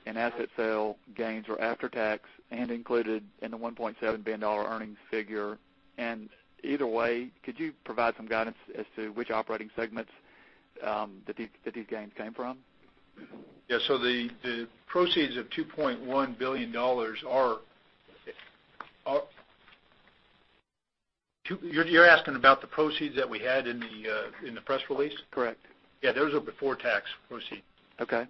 in asset sale gains were after tax and included in the $1.7 billion earnings figure? Either way, could you provide some guidance as to which operating segments that these gains came from? Yeah. The proceeds of $2.1 billion. You're asking about the proceeds that we had in the press release? Correct. Yeah, those are before tax proceeds. Okay.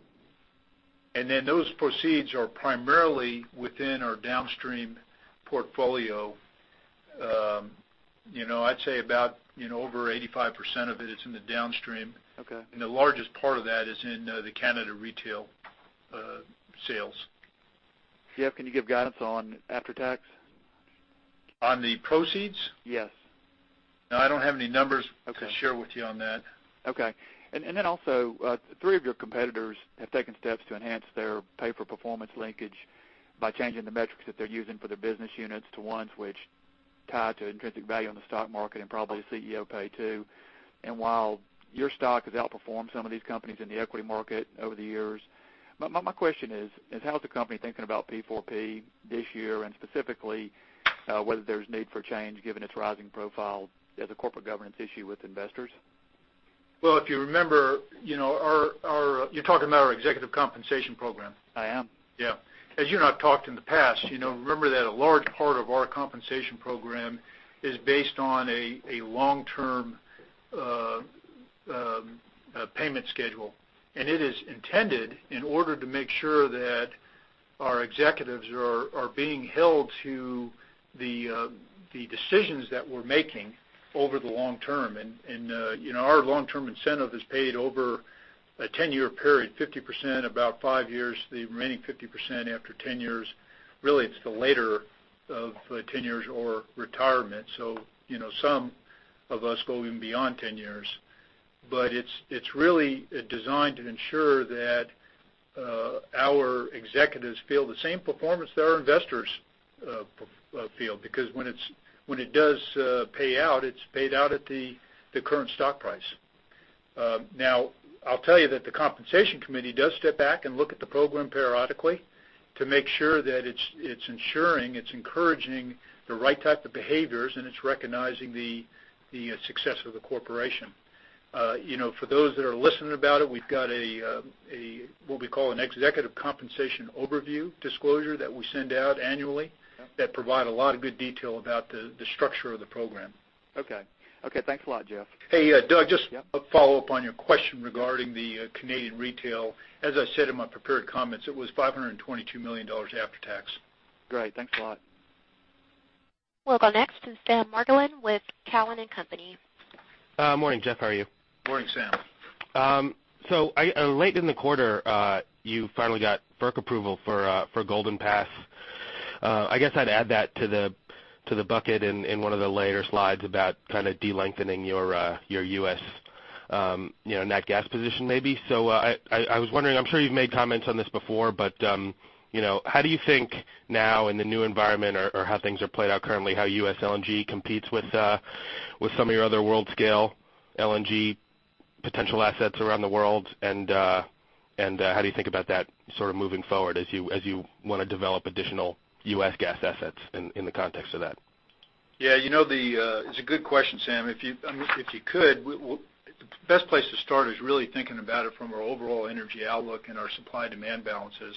Those proceeds are primarily within our downstream portfolio. You know, I'd say about, you know, over 85% of it is in the downstream. Okay. The largest part of that is in the Canada retail sales. Jeff, can you give guidance on after tax? On the proceeds? Yes. No, I don't have any numbers. Okay to share with you on that. Okay. Then also, three of your competitors have taken steps to enhance their pay for performance linkage by changing the metrics that they're using for their business units to ones which tie to intrinsic value on the stock market and probably CEO pay too. While your stock has outperformed some of these companies in the equity market over the years, my question is how is the company thinking about P4P this year, and specifically, whether there's need for change given its rising profile as a corporate governance issue with investors? Well, if you remember, you know, our You're talking about our executive compensation program? I am. Yeah. As you and I have talked in the past, you know, remember that a large part of our compensation program is based on a long-term payment schedule. It is intended in order to make sure that our executives are being held to the decisions that we're making over the long term. You know, our long-term incentive is paid over a 10-year period, 50% about five years, the remaining 50% after 10 years. Really, it's the later of the 10 years or retirement. You know, some of us go even beyond 10 years. It's really designed to ensure that our executives feel the same performance that our investors feel because when it does pay out, it's paid out at the current stock price. Now I'll tell you that the compensation committee does step back and look at the program periodically to make sure that it's ensuring, it's encouraging the right type of behaviors, and it's recognizing the success of the corporation. You know, for those that are listening about it, we've got a what we call an executive compensation overview disclosure that we send out annually. Yeah that provide a lot of good detail about the structure of the program. Okay. Okay, thanks a lot, Jeff. Hey, Doug. Yeah. Just a follow-up on your question regarding the Canadian retail. As I said in my prepared comments, it was $522 million after tax. Great. Thanks a lot. We'll go next to Sam Margolin with Cowen and Company. Morning, Jeff. How are you? Morning, Sam. I, late in the quarter, you finally got FERC approval for Golden Pass. I guess I'd add that to the, to the bucket in one of the later slides about kinda de-lengthening your U.S., you know, nat gas position maybe. I was wondering, I'm sure you've made comments on this before, but, you know, how do you think now in the new environment or how things are played out currently, how U.S. LNG competes with some of your other world-scale LNG potential assets around the world? How do you think about that sort of moving forward as you wanna develop additional U.S. gas assets in the context of that? Yeah, you know, the It's a good question, Sam. If you, if you could, well, the best place to start is really thinking about it from our overall energy outlook and our supply-demand balances.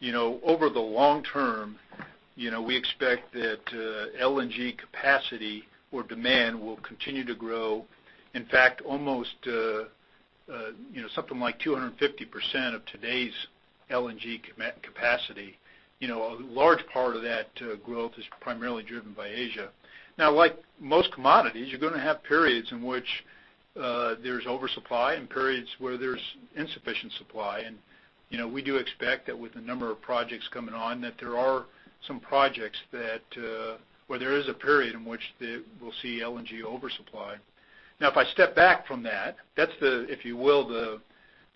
You know, over the long term, you know, we expect that LNG capacity or demand will continue to grow. In fact, almost, you know, something like 250% of today's LNG capacity. You know, a large part of that growth is primarily driven by Asia. Now, like most commodities, you're gonna have periods in which there's oversupply and periods where there's insufficient supply. You know, we do expect that with the number of projects coming on, that there are some projects that where there is a period in which we'll see LNG oversupply. If I step back from that's the, if you will,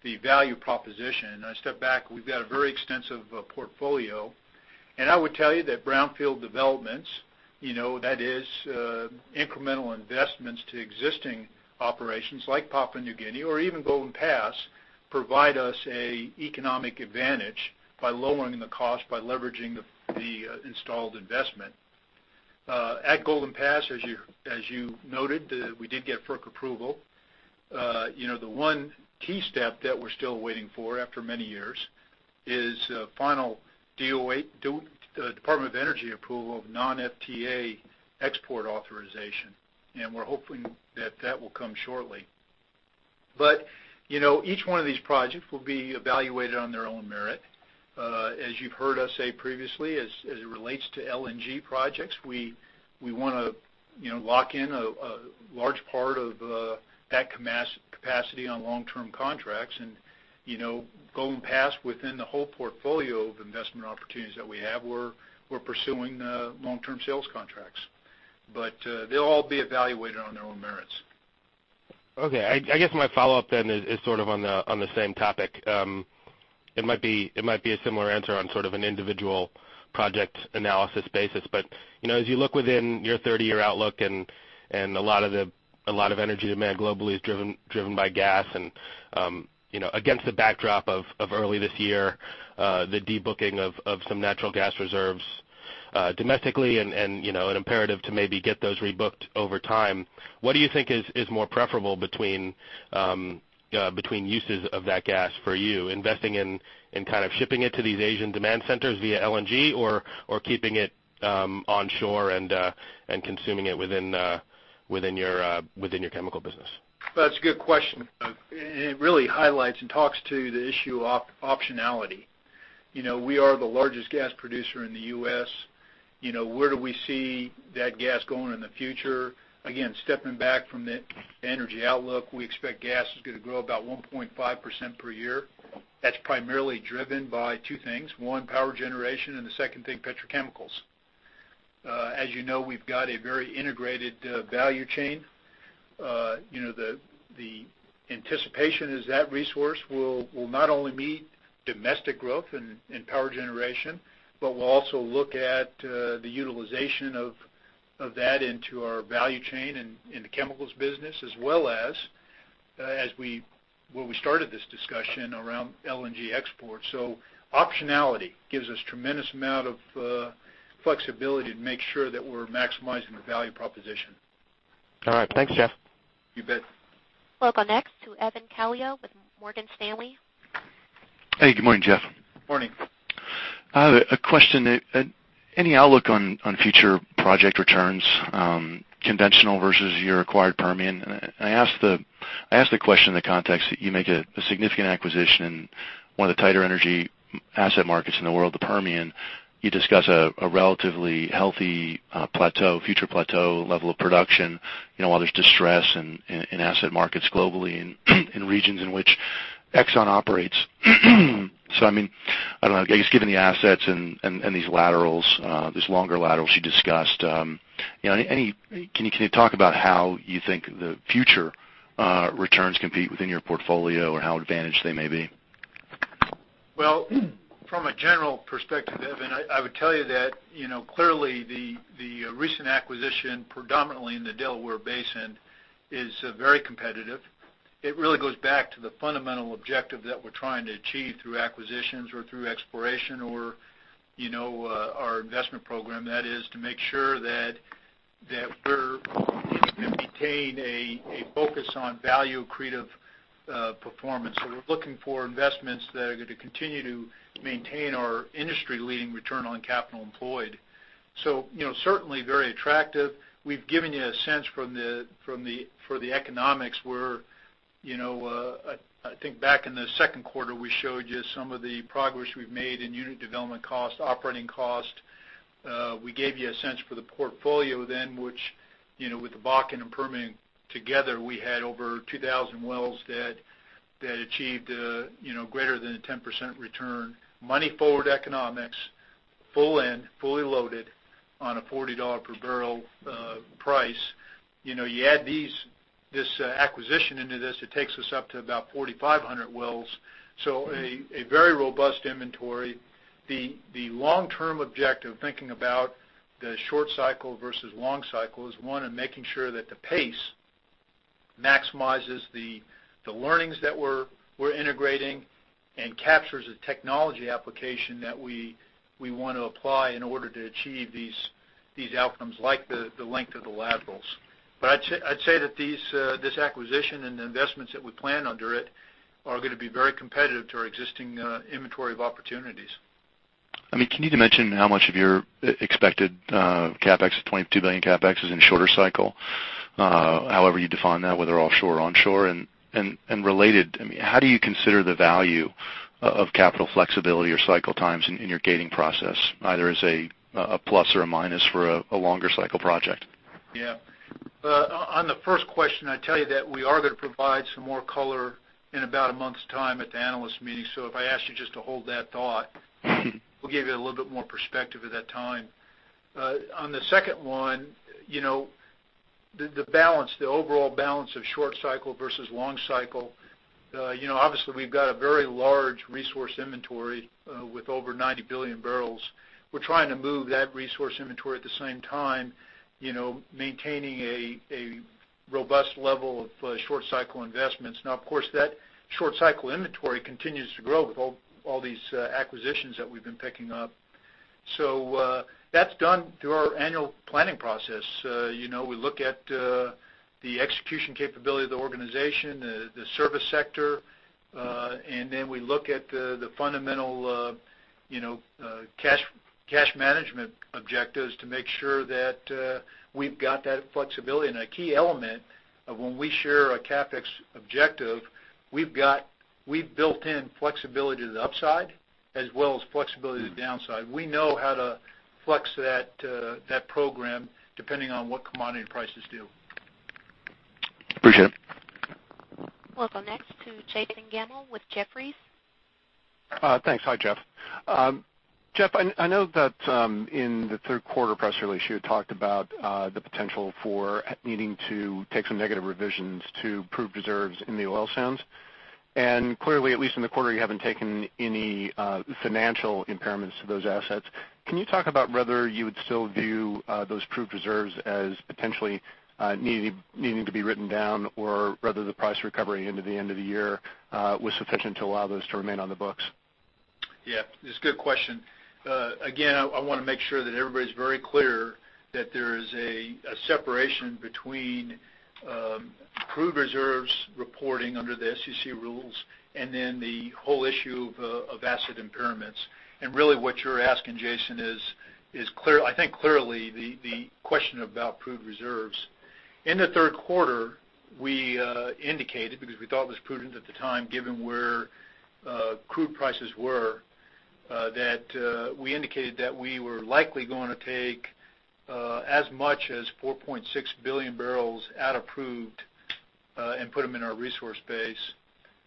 the value proposition. I step back, we've got a very extensive portfolio. I would tell you that brownfield developments, you know, that is, incremental investments to existing operations like Papua New Guinea or even Golden Pass, provide us a economic advantage by lowering the cost, by leveraging the installed investment. At Golden Pass, as you noted, we did get FERC approval. You know, the one key step that we're still waiting for after many years is final Department of Energy approval of non-FTA export authorization, we're hoping that that will come shortly. You know, each one of these projects will be evaluated on their own merit. As you've heard us say previously, as it relates to LNG projects, we wanna, you know, lock in a large part of that capacity on long-term contracts. You know, Golden Pass within the whole portfolio of investment opportunities that we have, we're pursuing long-term sales contracts. They'll all be evaluated on their own merits. Okay. I guess my follow-up then is sort of on the same topic. It might be a similar answer on sort of an individual project analysis basis. You know, as you look within your 30-year outlook and a lot of energy demand globally is driven by gas and, you know, against the backdrop of early this year, the debooking of some natural gas reserves domestically and, you know, an imperative to maybe get those rebooked over time, what do you think is more preferable between uses of that gas for you, investing in kind of shipping it to these Asian demand centers via LNG or keeping it onshore and consuming it within your chemical business? That's a good question. It really highlights and talks to the issue of optionality. You know, we are the largest gas producer in the U.S. You know, where do we see that gas going in the future? Again, stepping back from the energy outlook, we expect gas is gonna grow about 1.5% per year. That's primarily driven by two things: one, power generation, and the second thing, petrochemicals. As you know, we've got a very integrated value chain. You know, the anticipation is that resource will not only meet domestic growth in power generation, but will also look at the utilization of that into our value chain in the chemicals business as well as where we started this discussion around LNG exports. Optionality gives us tremendous amount of flexibility to make sure that we're maximizing the value proposition. All right. Thanks, Jeff. You bet. We'll go next to Evan Calio with Morgan Stanley. Hey, good morning, Jeff. Morning. I have a question. Any outlook on future project returns, conventional versus your acquired Permian? I ask the question in the context that you make a significant acquisition in one of the tighter energy asset markets in the world, the Permian. You discuss a relatively healthy, future plateau level of production, you know, while there's distress in asset markets globally and in regions in which Exxon operates. I mean I don't know, I guess given the assets and these laterals, these longer laterals you discussed, you know, can you talk about how you think the future returns compete within your portfolio or how advantaged they may be? Well, from a general perspective, Evan, I would tell you that, you know, clearly the recent acquisition predominantly in the Delaware Basin is very competitive. It really goes back to the fundamental objective that we're trying to achieve through acquisitions or through exploration or, you know, our investment program. That is to make sure that we're maintain a focus on value-creative performance. We're looking for investments that are gonna continue to maintain our industry-leading return on capital employed. You know, certainly very attractive. We've given you a sense from the for the economics where, you know, I think back in the second quarter we showed you some of the progress we've made in unit development cost, operating cost. We gave you a sense for the portfolio then which, you know, with the Bakken and Permian together, we had over 2,000 wells that achieved, you know, greater than a 10% return, money forward economics, full in, fully loaded on a $40 per barrel price. You know, you add this acquisition into this, it takes us up to about 4,500 wells, so a very robust inventory. The long-term objective, thinking about the short cycle versus long cycle is, 1, in making sure that the pace maximizes the learnings that we're integrating and captures the technology application that we want to apply in order to achieve these outcomes like the length of the laterals. I'd say that these, this acquisition and the investments that we plan under it are gonna be very competitive to our existing inventory of opportunities. I mean, can you dimension how much of your expected CapEx, $22 billion CapEx is in shorter cycle, however you define that, whether offshore or onshore? Related, I mean, how do you consider the value of capital flexibility or cycle times in your gating process, either as a plus or a minus for a longer cycle project? On the first question, I tell you that we are gonna provide some more color in about a month's time at the analyst meeting. If I ask you just to hold that thought, we'll give you a little bit more perspective at that time. On the second one, you know, the balance, the overall balance of short cycle versus long cycle, you know, obviously we've got a very large resource inventory, with over 90 billion bbl. We're trying to move that resource inventory at the same time, you know, maintaining a robust level of short cycle investments. Of course, that short cycle inventory continues to grow with all these acquisitions that we've been picking up. That's done through our annual planning process. You know, we look at the execution capability of the organization, the service sector, and then we look at the fundamental, you know, cash management objectives to make sure that we've got that flexibility. A key element of when we share a CapEx objective, we've built in flexibility to the upside as well as flexibility to the downside. We know how to flex that program depending on what commodity prices do. Appreciate it. We'll go next to Jason Gammel with Jefferies. Thanks. Hi, Jeff. Jeff, I know that in the third quarter press release you had talked about the potential for needing to take some negative revisions to proved reserves in the oil sands. Clearly, at least in the quarter, you haven't taken any financial impairments to those assets. Can you talk about whether you would still view those proved reserves as potentially needing to be written down or whether the price recovery into the end of the year was sufficient to allow those to remain on the books? Yeah. It's a good question. Again, I wanna make sure that everybody's very clear that there is a separation between proved reserves reporting under the SEC rules and then the whole issue of asset impairments. Really, what you're asking, Jason, is I think clearly the question about proved reserves. In the third quarter we indicated, because we thought it was prudent at the time given where crude prices were, that we indicated that we were likely gonna take as much as 4.6 billion bbl out of proved and put them in our resource base.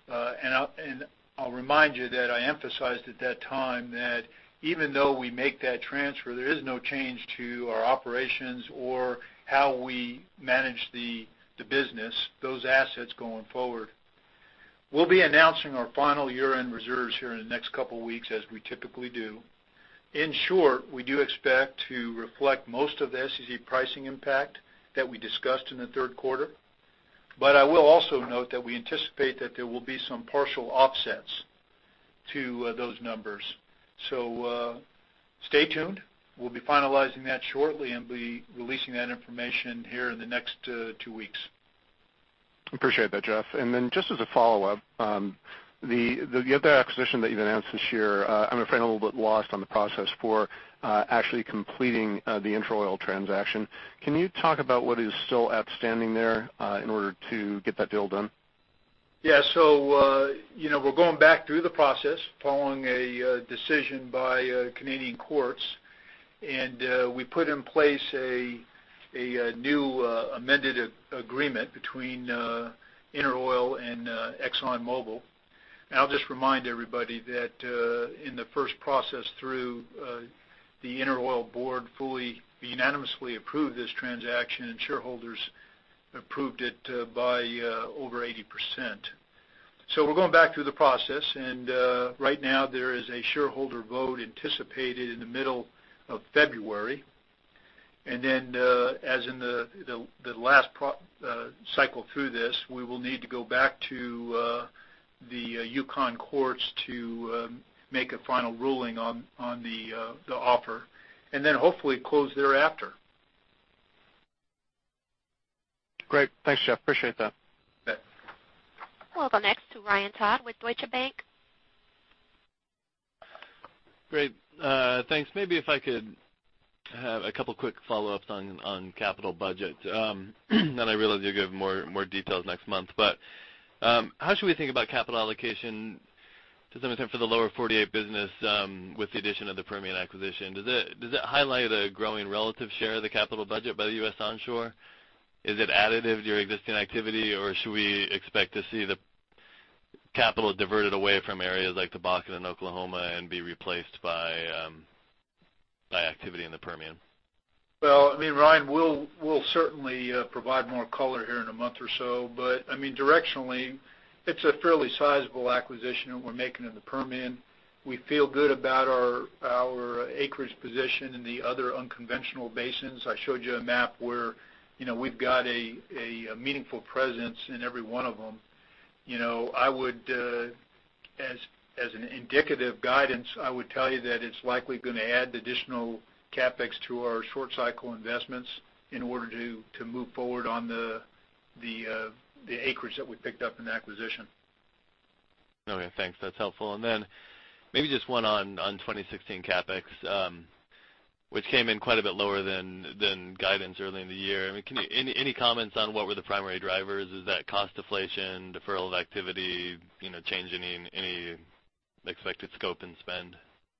And I'll remind you that I emphasized at that time that even though we make that transfer, there is no change to our operations or how we manage the business, those assets going forward. We'll be announcing our final year-end reserves here in the next couple weeks as we typically do. In short, we do expect to reflect most of the SEC pricing impact that we discussed in the third quarter. I will also note that we anticipate that there will be some partial offsets to those numbers. Stay tuned. We'll be finalizing that shortly and be releasing that information here in the next two weeks. Appreciate that, Jeff. Just as a follow-up, the other acquisition that you've announced this year, I'm afraid I'm a little bit lost on the process for actually completing the InterOil transaction. Can you talk about what is still outstanding there, in order to get that deal done? You know, we're going back through the process following a decision by Canadian courts. We put in place a new amended agreement between InterOil and ExxonMobil. I'll just remind everybody that in the first process through the InterOil board fully unanimously approved this transaction, and shareholders approved it by over 80%. We're going back through the process, and right now there is a shareholder vote anticipated in the middle of February. Then as in the last cycle through this, we will need to go back to the Yukon courts to make a final ruling on the offer, and then hopefully close thereafter. Great. Thanks, Jeff. Appreciate that. Bet. We'll go next to Ryan Todd with Deutsche Bank. Great. Thanks. Maybe if I could have a couple quick follow-ups on capital budget. And I realize you'll give more details next month. How should we think about capital allocation, to some extent for the lower 48 business, with the addition of the Permian acquisition? Does it highlight a growing relative share of the capital budget by the U.S. onshore? Is it additive to your existing activity, or should we expect to see the capital diverted away from areas like the Bakken and Oklahoma and be replaced by activity in the Permian? Well, I mean, Ryan, we'll certainly provide more color here in a month or so, but I mean, directionally, it's a fairly sizable acquisition that we're making in the Permian. We feel good about our acreage position in the other unconventional basins. I showed you a map where, you know, we've got a meaningful presence in every one of them. You know, I would, as an indicative guidance, I would tell you that it's likely gonna add additional CapEx to our short cycle investments in order to move forward on the acreage that we picked up in the acquisition. Okay. Thanks. That's helpful. Maybe just one on 2016 CapEx, which came in quite a bit lower than guidance early in the year. I mean, any comments on what were the primary drivers? Is that cost deflation, deferral of activity, you know, change any expected scope and spend?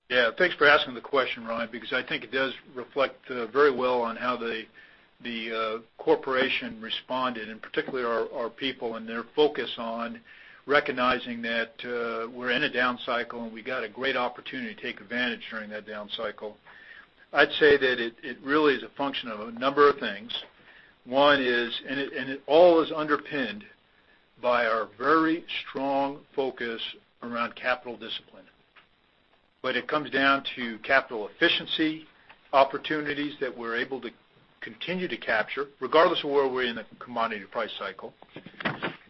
Yeah. Thanks for asking the question, Ryan, because I think it does reflect very well on how the Corporation responded, and particularly our people and their focus on recognizing that we're in a down cycle, and we got a great opportunity to take advantage during that down cycle. I'd say that it really is a function of a number of things. One is it all is underpinned by our very strong focus around capital discipline. It comes down to capital efficiency opportunities that we're able to continue to capture regardless of where we're in the commodity price cycle.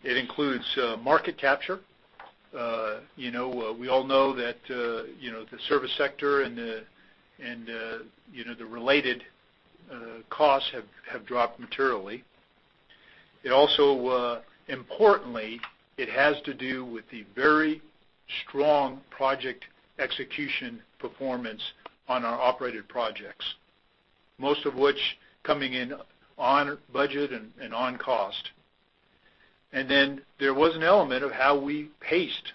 It includes market capture. You know, we all know that, you know, the service sector and the related costs have dropped materially. It also, importantly, it has to do with the very strong project execution performance on our operated projects, most of which coming in on budget and on cost. There was an element of how we paced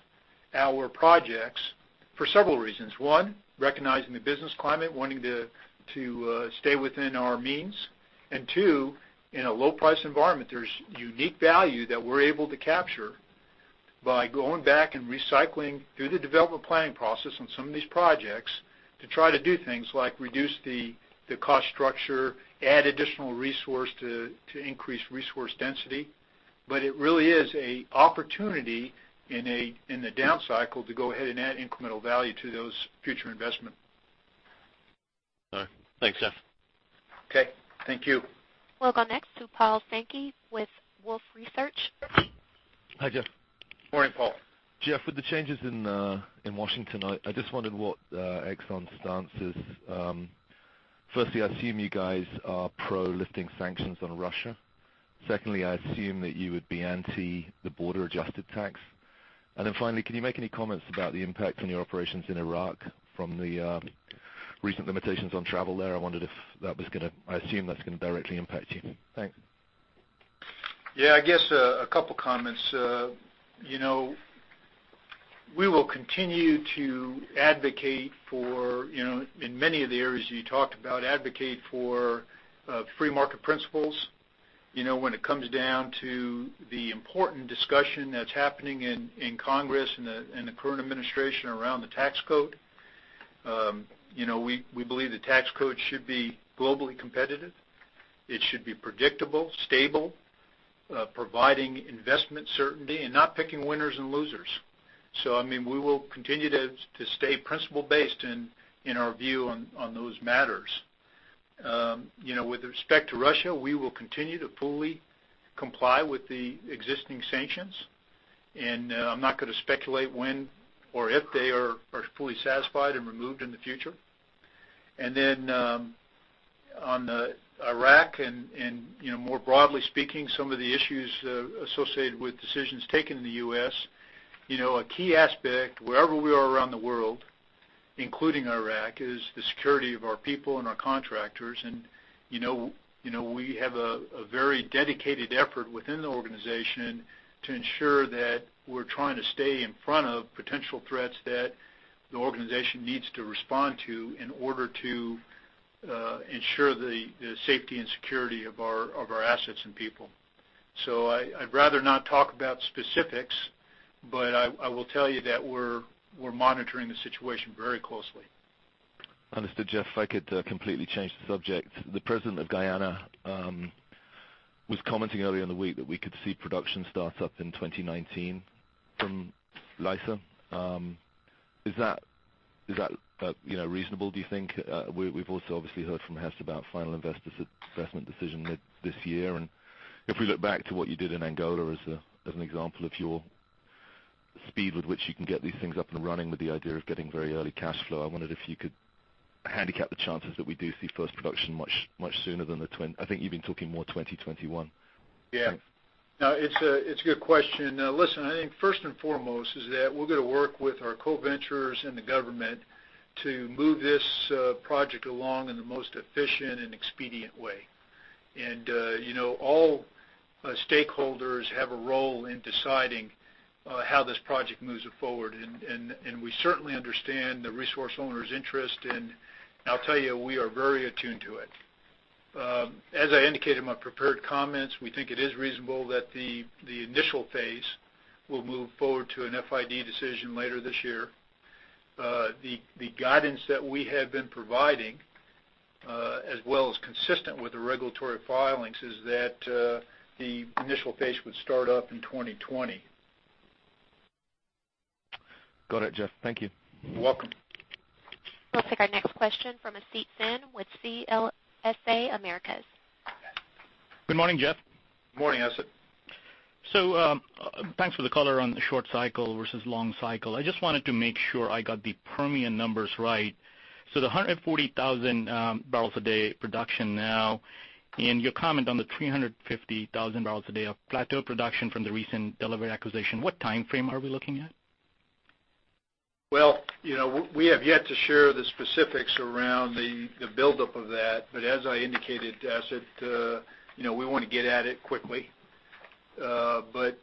our projects for several reasons. One, recognizing the business climate, wanting to stay within our means. Two, in a low price environment, there's unique value that we're able to capture by going back and recycling through the development planning process on some of these projects to try to do things like reduce the cost structure, add additional resource to increase resource density. It really is a opportunity in a, in the down cycle to go ahead and add incremental value to those future investment. All right. Thanks, Jeff. Okay. Thank you. We'll go next to Paul Sankey with Wolfe Research. Hi, Jeff. Morning, Paul. Jeff, with the changes in Washington, I just wondered what Exxon's stance is. Firstly, I assume you guys are pro lifting sanctions on Russia. Secondly, I assume that you would be anti the border adjusted tax. Finally, can you make any comments about the impact on your operations in Iraq from the recent limitations on travel there? I assume that's gonna directly impact you. Thanks. Yeah, I guess a couple comments. You know, we will continue to advocate for, you know, in many of the areas you talked about, advocate for free market principles. You know, when it comes down to the important discussion that's happening in Congress and the current administration around the tax code, you know, we believe the tax code should be globally competitive. It should be predictable, stable, providing investment certainty and not picking winners and losers. I mean, we will continue to stay principle-based in our view on those matters. You know, with respect to Russia, we will continue to fully comply with the existing sanctions, and I'm not gonna speculate when or if they are fully satisfied and removed in the future. Then, on Iraq and, you know, more broadly speaking, some of the issues associated with decisions taken in the U.S., you know, a key aspect wherever we are around the world, including Iraq, is the security of our people and our contractors. You know, we have a very dedicated effort within the organization to ensure that we're trying to stay in front of potential threats that the organization needs to respond to in order to ensure the safety and security of our assets and people. I'd rather not talk about specifics, but I will tell you that we're monitoring the situation very closely. Understood. Jeff, if I could completely change the subject. The President of Guyana was commenting earlier in the week that we could see production start up in 2019 from Liza. Is that, you know, reasonable, do you think? We've also obviously heard from Hess about final investment decision mid-year. If we look back to what you did in Angola as an example of your speed with which you can get these things up and running with the idea of getting very early cash flow, I wondered if you could handicap the chances that we do see first production much, much sooner than I think you've been talking more 2021. Yeah. No, it's a good question. Listen, I think first and foremost is that we're gonna work with our co-venturers and the government to move this project along in the most efficient and expedient way. You know, all stakeholders have a role in deciding how this project moves it forward. We certainly understand the resource owner's interest, and I'll tell you, we are very attuned to it. As I indicated in my prepared comments, we think it is reasonable that the initial phase will move forward to an FID decision later this year. The guidance that we have been providing, as well as consistent with the regulatory filings, is that the initial phase would start up in 2020. Got it, Jeff. Thank you. You're welcome. We'll take our next question from Asit Sen with CLSA Americas. Good morning, Jeff. Morning, Asit. Thanks for the color on the short cycle versus long cycle. I just wanted to make sure I got the Permian numbers right. The 140,000 bbl a day production now, and you comment on the 350,000 bbl a day of plateau production from the recent Delaware acquisition, what timeframe are we looking at? Well, you know, we have yet to share the specifics around the buildup of that. As I indicated, Asit, you know, we wanna get at it quickly.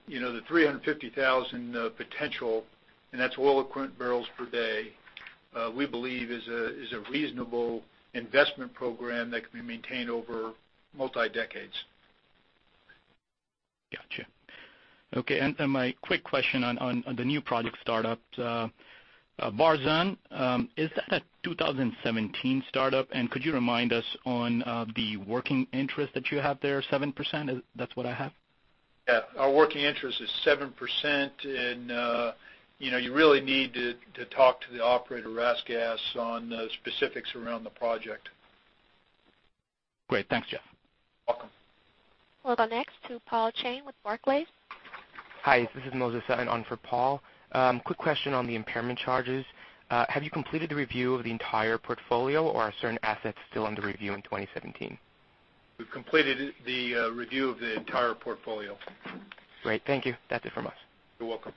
You know, the 350,000 potential, and that's oil equivalent barrels per day, we believe is a reasonable investment program that can be maintained over multi-decades. Gotcha. Okay, my quick question on the new project startups. Barzan, is that a 2017 startup? Could you remind us on the working interest that you have there, 7%? That's what I have? Yeah. Our working interest is 7%. You know, you really need to talk to the operator RasGas on the specifics around the project. Great. Thanks, Jeff. Welcome. We'll go next to Paul Cheng with Barclays. Hi, this is Moses, on for Paul. Quick question on the impairment charges. Have you completed the review of the entire portfolio or are certain assets still under review in 2017? We've completed the review of the entire portfolio. Great. Thank you. That's it from us. You're welcome.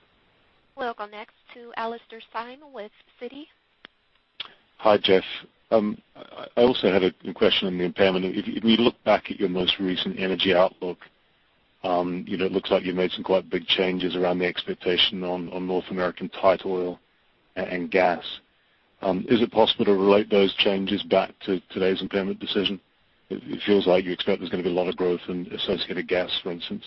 We'll go next to Alastair Syme with Citi. Hi, Jeff. I also had a question on the impairment. If you look back at your most recent energy outlook, you know, it looks like you made some quite big changes around the expectation on North American tight oil and gas. Is it possible to relate those changes back to today's impairment decision? It feels like you expect there's gonna be a lot of growth in associated gas, for instance.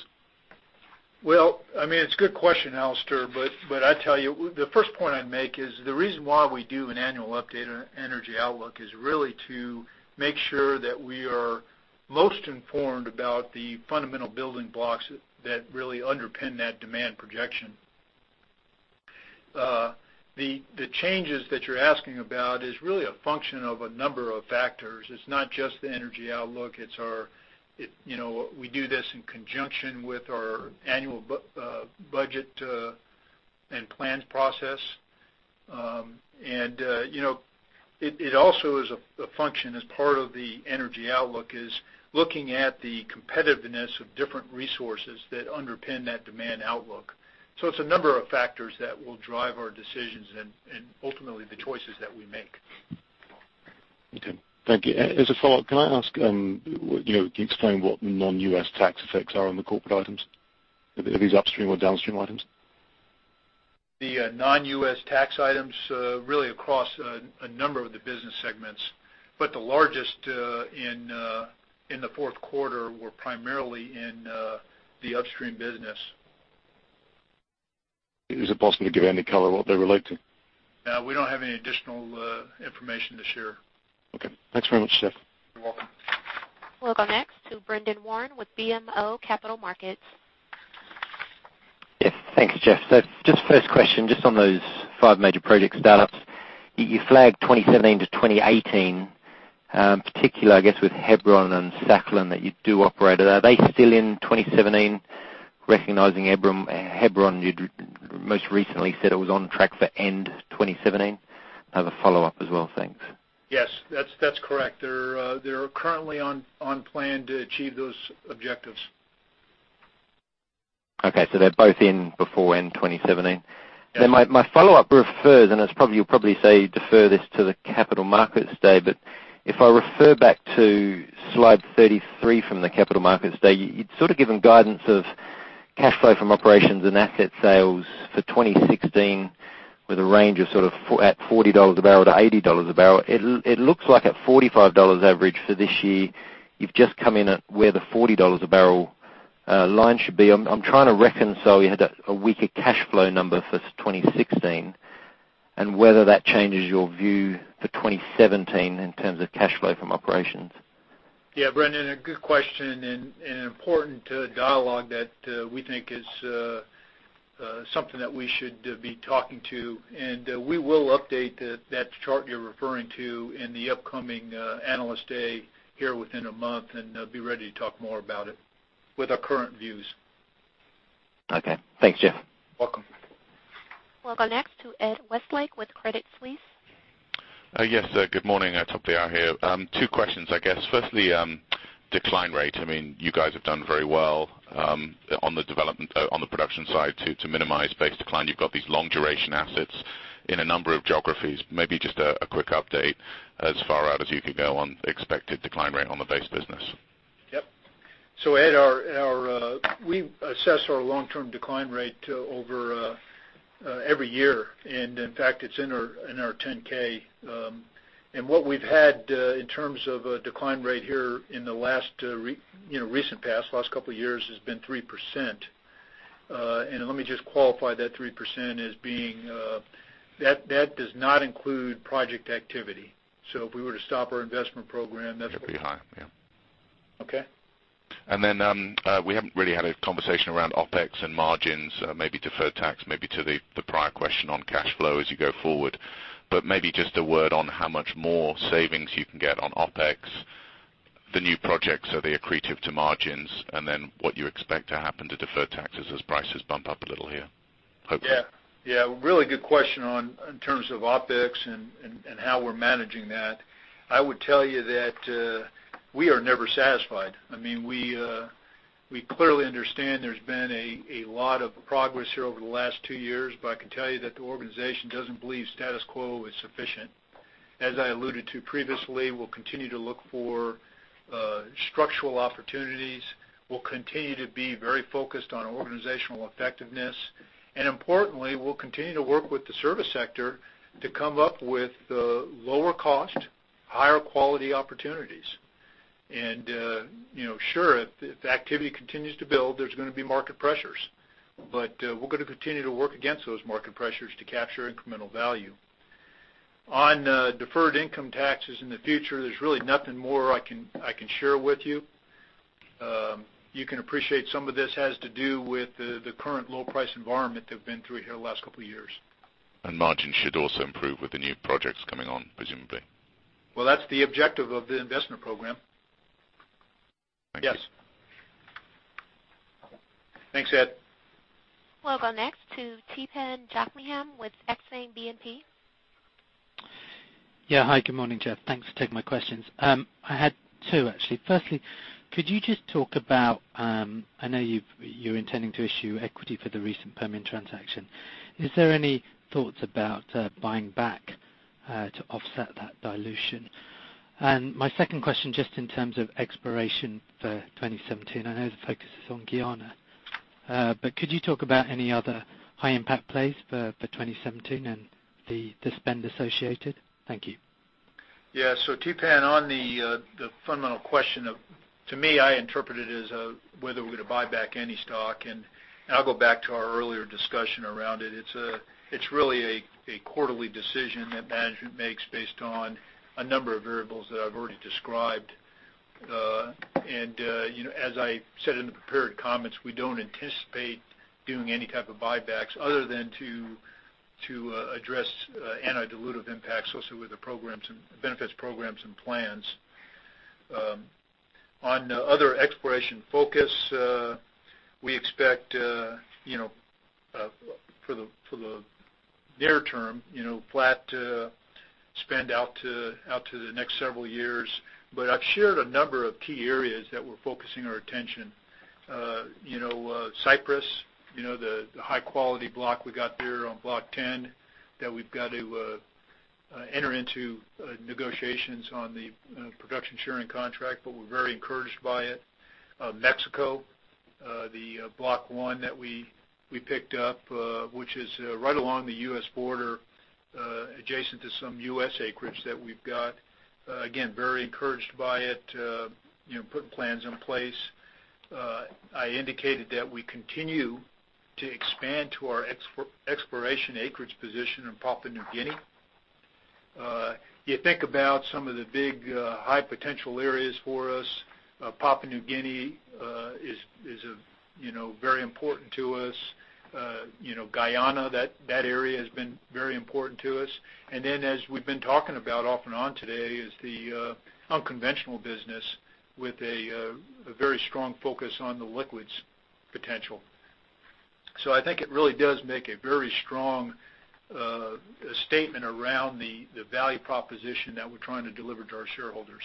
Well, I mean, it's a good question, Alastair, I tell you, the first point I'd make is the reason why we do an annual update on our energy outlook is really to make sure that we are most informed about the fundamental building blocks that really underpin that demand projection. The changes that you're asking about is really a function of a number of factors. It's not just the energy outlook, it's our You know, we do this in conjunction with our annual budget and plans process. You know, it also is a function as part of the energy outlook is looking at the competitiveness of different resources that underpin that demand outlook. It's a number of factors that will drive our decisions and ultimately the choices that we make. Okay. Thank you. As a follow-up, can I ask, you know, can you explain what non-U.S. tax effects are on the corporate items? Are these upstream or downstream items? The non-U.S. tax items, really across a number of the business segments. The largest, in the fourth quarter were primarily in the upstream business. Is it possible to give any color what they relate to? We don't have any additional information to share. Okay. Thanks very much, Jeff. You're welcome. We'll go next to Brendan Warn with BMO Capital Markets. Yes. Thank you, Jeff. Just first question, just on those five major project startups. You flagged 2017 to 2018, particular I guess with Hebron and Sakhalin that you do operate. Are they still in 2017 recognizing Hebron you most recently said it was on track for end 2017? I have a follow-up as well. Thanks. Yes, that's correct. They're currently on plan to achieve those objectives. Okay. They're both in before end 2017. Yes. My follow-up refers, and it's probably, you'll probably say defer this to the capital markets day, but if I refer back to slide 33 from the capital markets day, you'd sort of given guidance of Cash flow from operations and asset sales for 2016 with a range of sort of at $40 a barrel to $80 a barrel. It looks like at $45 average for this year, you've just come in at where the $40 a barrel line should be. I'm trying to reconcile you had a weaker cash flow number for 2016 and whether that changes your view for 2017 in terms of cash flow from operations. Yeah, Brendan, a good question and an important dialogue that we think is something that we should be talking to. We will update that chart you're referring to in the upcoming analyst day here within a month and be ready to talk more about it with our current views. Okay. Thanks, Jeff. Welcome. We'll go next to Ed Westlake with Credit Suisse. Yes, good morning. [Topila] here. Two questions, I guess. Firstly, decline rate. I mean, you guys have done very well on the production side to minimize base decline. You've got these long duration assets in a number of geographies. Maybe just a quick update as far out as you could go on expected decline rate on the base business. Yep. Ed, our, we assess our long-term decline rate over every year. In fact, it's in our 10-K. What we've had in terms of a decline rate here in the last you know, recent past, last couple years has been 3%. Let me just qualify that 3% as being that does not include project activity. If we were to stop our investment program, that's- It'd be high, yeah. Okay. We haven't really had a conversation around OpEx and margins, maybe deferred tax, maybe to the prior question on cash flow as you go forward. Maybe just a word on how much more savings you can get on OpEx, the new projects, are they accretive to margins, and then what you expect to happen to deferred taxes as prices bump up a little here, hopefully. Yeah. Yeah, really good question on, in terms of OpEx and how we're managing that. I would tell you that we are never satisfied. I mean, we clearly understand there's been a lot of progress here over the last two years. I can tell you that the organization doesn't believe status quo is sufficient. As I alluded to previously, we'll continue to look for structural opportunities. We'll continue to be very focused on organizational effectiveness. Importantly, we'll continue to work with the service sector to come up with lower cost, higher quality opportunities. You know, sure, if activity continues to build, there's gonna be market pressures. We're gonna continue to work against those market pressures to capture incremental value. On deferred income taxes in the future, there's really nothing more I can share with you. You can appreciate some of this has to do with the current low price environment that we've been through here the last couple years. Margins should also improve with the new projects coming on, presumably. Well, that's the objective of the investment program. Thank you. Yes. Thanks, Ed. We'll go next to Theepan Jothilingam with Exane BNP. Hi, good morning, Jeff. Thanks for taking my questions. I had two actually. Firstly, could you just talk about, I know you're intending to issue equity for the recent Permian transaction. Is there any thoughts about buying back to offset that dilution? My second question, just in terms of exploration for 2017, I know the focus is on Guyana, but could you talk about any other high impact plays for 2017 and the spend associated? Thank you. Yeah. Theepan, on the fundamental question of To me, I interpret it as whether we're gonna buy back any stock, and I'll go back to our earlier discussion around it. It's really a quarterly decision that management makes based on a number of variables that I've already described. You know, as I said in the prepared comments, we don't anticipate doing any type of buybacks other than to address anti-dilutive impacts also with the benefits programs and plans. On other exploration focus, we expect, you know, for the near term, you know, flat spend out to the next several years. I've shared a number of key areas that we're focusing our attention. You know, Cyprus, you know, the high quality block we got there on Block 10 that we've got to enter into negotiations on the production sharing contract, but we're very encouraged by it. Mexico, the Block Two that we picked up, which is right along the U.S. border, adjacent to some U.S. acreage that we've got. Again, very encouraged by it, you know, putting plans in place. I indicated that we continue to expand to our exploration acreage position in Papua New Guinea. You think about some of the big, high potential areas for us, Papua New Guinea is, you know, very important to us. You know, Guyana, that area has been very important to us. As we've been talking about off and on today is the unconventional business with a very strong focus on the liquids potential. I think it really does make a very strong statement around the value proposition that we're trying to deliver to our shareholders.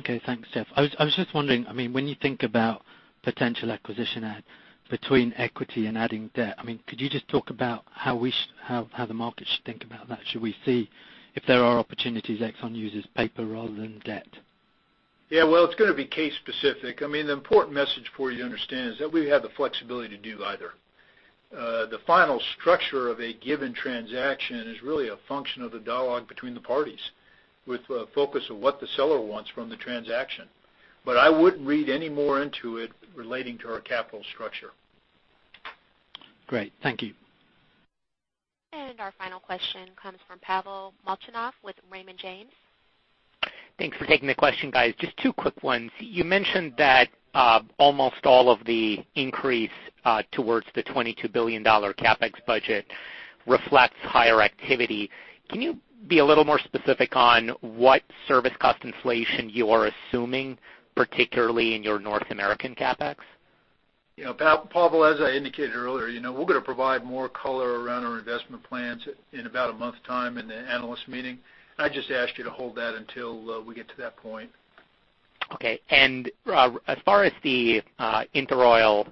Okay. Thanks, Jeff. I was just wondering, I mean, when you think about potential acquisition add between equity and adding debt, I mean, could you just talk about how the market should think about that? Should we see if there are opportunities ExxonMobil uses paper rather than debt? Yeah, well, it's gonna be case specific. I mean, the important message for you to understand is that we have the flexibility to do either. The final structure of a given transaction is really a function of the dialogue between the parties with the focus of what the seller wants from the transaction. I wouldn't read any more into it relating to our capital structure. Great. Thank you. Our final question comes from Pavel Molchanov with Raymond James. Thanks for taking the question, guys. Just two quick ones. You mentioned that almost all of the increase towards the $22 billion CapEx budget reflects higher activity. Can you be a little more specific on what service cost inflation you are assuming, particularly in your North American CapEx? You know, Pavel, as I indicated earlier, you know, we're gonna provide more color around our investment plans in about a month's time in the analyst meeting. I just ask you to hold that until we get to that point. Okay. As far as the InterOil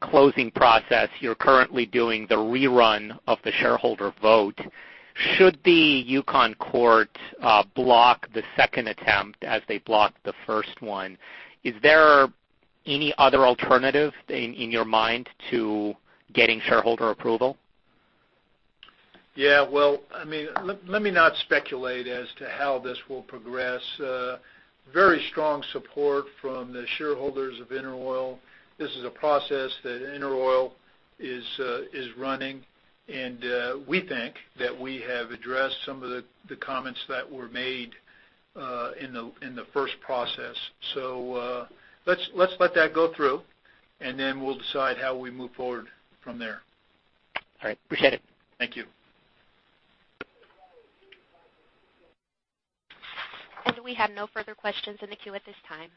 closing process, you're currently doing the rerun of the shareholder vote. Should the Yukon court block the second attempt as they blocked the first one, is there any other alternative in your mind to getting shareholder approval? Yeah, well, I mean, let me not speculate as to how this will progress. Very strong support from the shareholders of InterOil. This is a process that InterOil is running, and we think that we have addressed some of the comments that were made in the first process. Let's let that go through, and then we'll decide how we move forward from there. All right. Appreciate it. Thank you. We have no further questions in the queue at this time.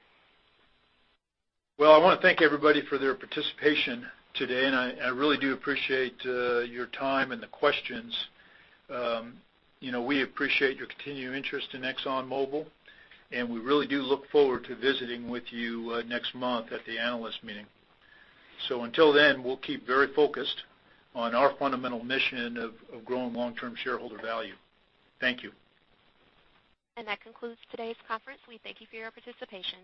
Well, I wanna thank everybody for their participation today, and I really do appreciate your time and the questions. You know, we appreciate your continued interest in ExxonMobil, and we really do look forward to visiting with you next month at the analyst meeting. Until then, we'll keep very focused on our fundamental mission of growing long-term shareholder value. Thank you. That concludes today's conference. We thank you for your participation.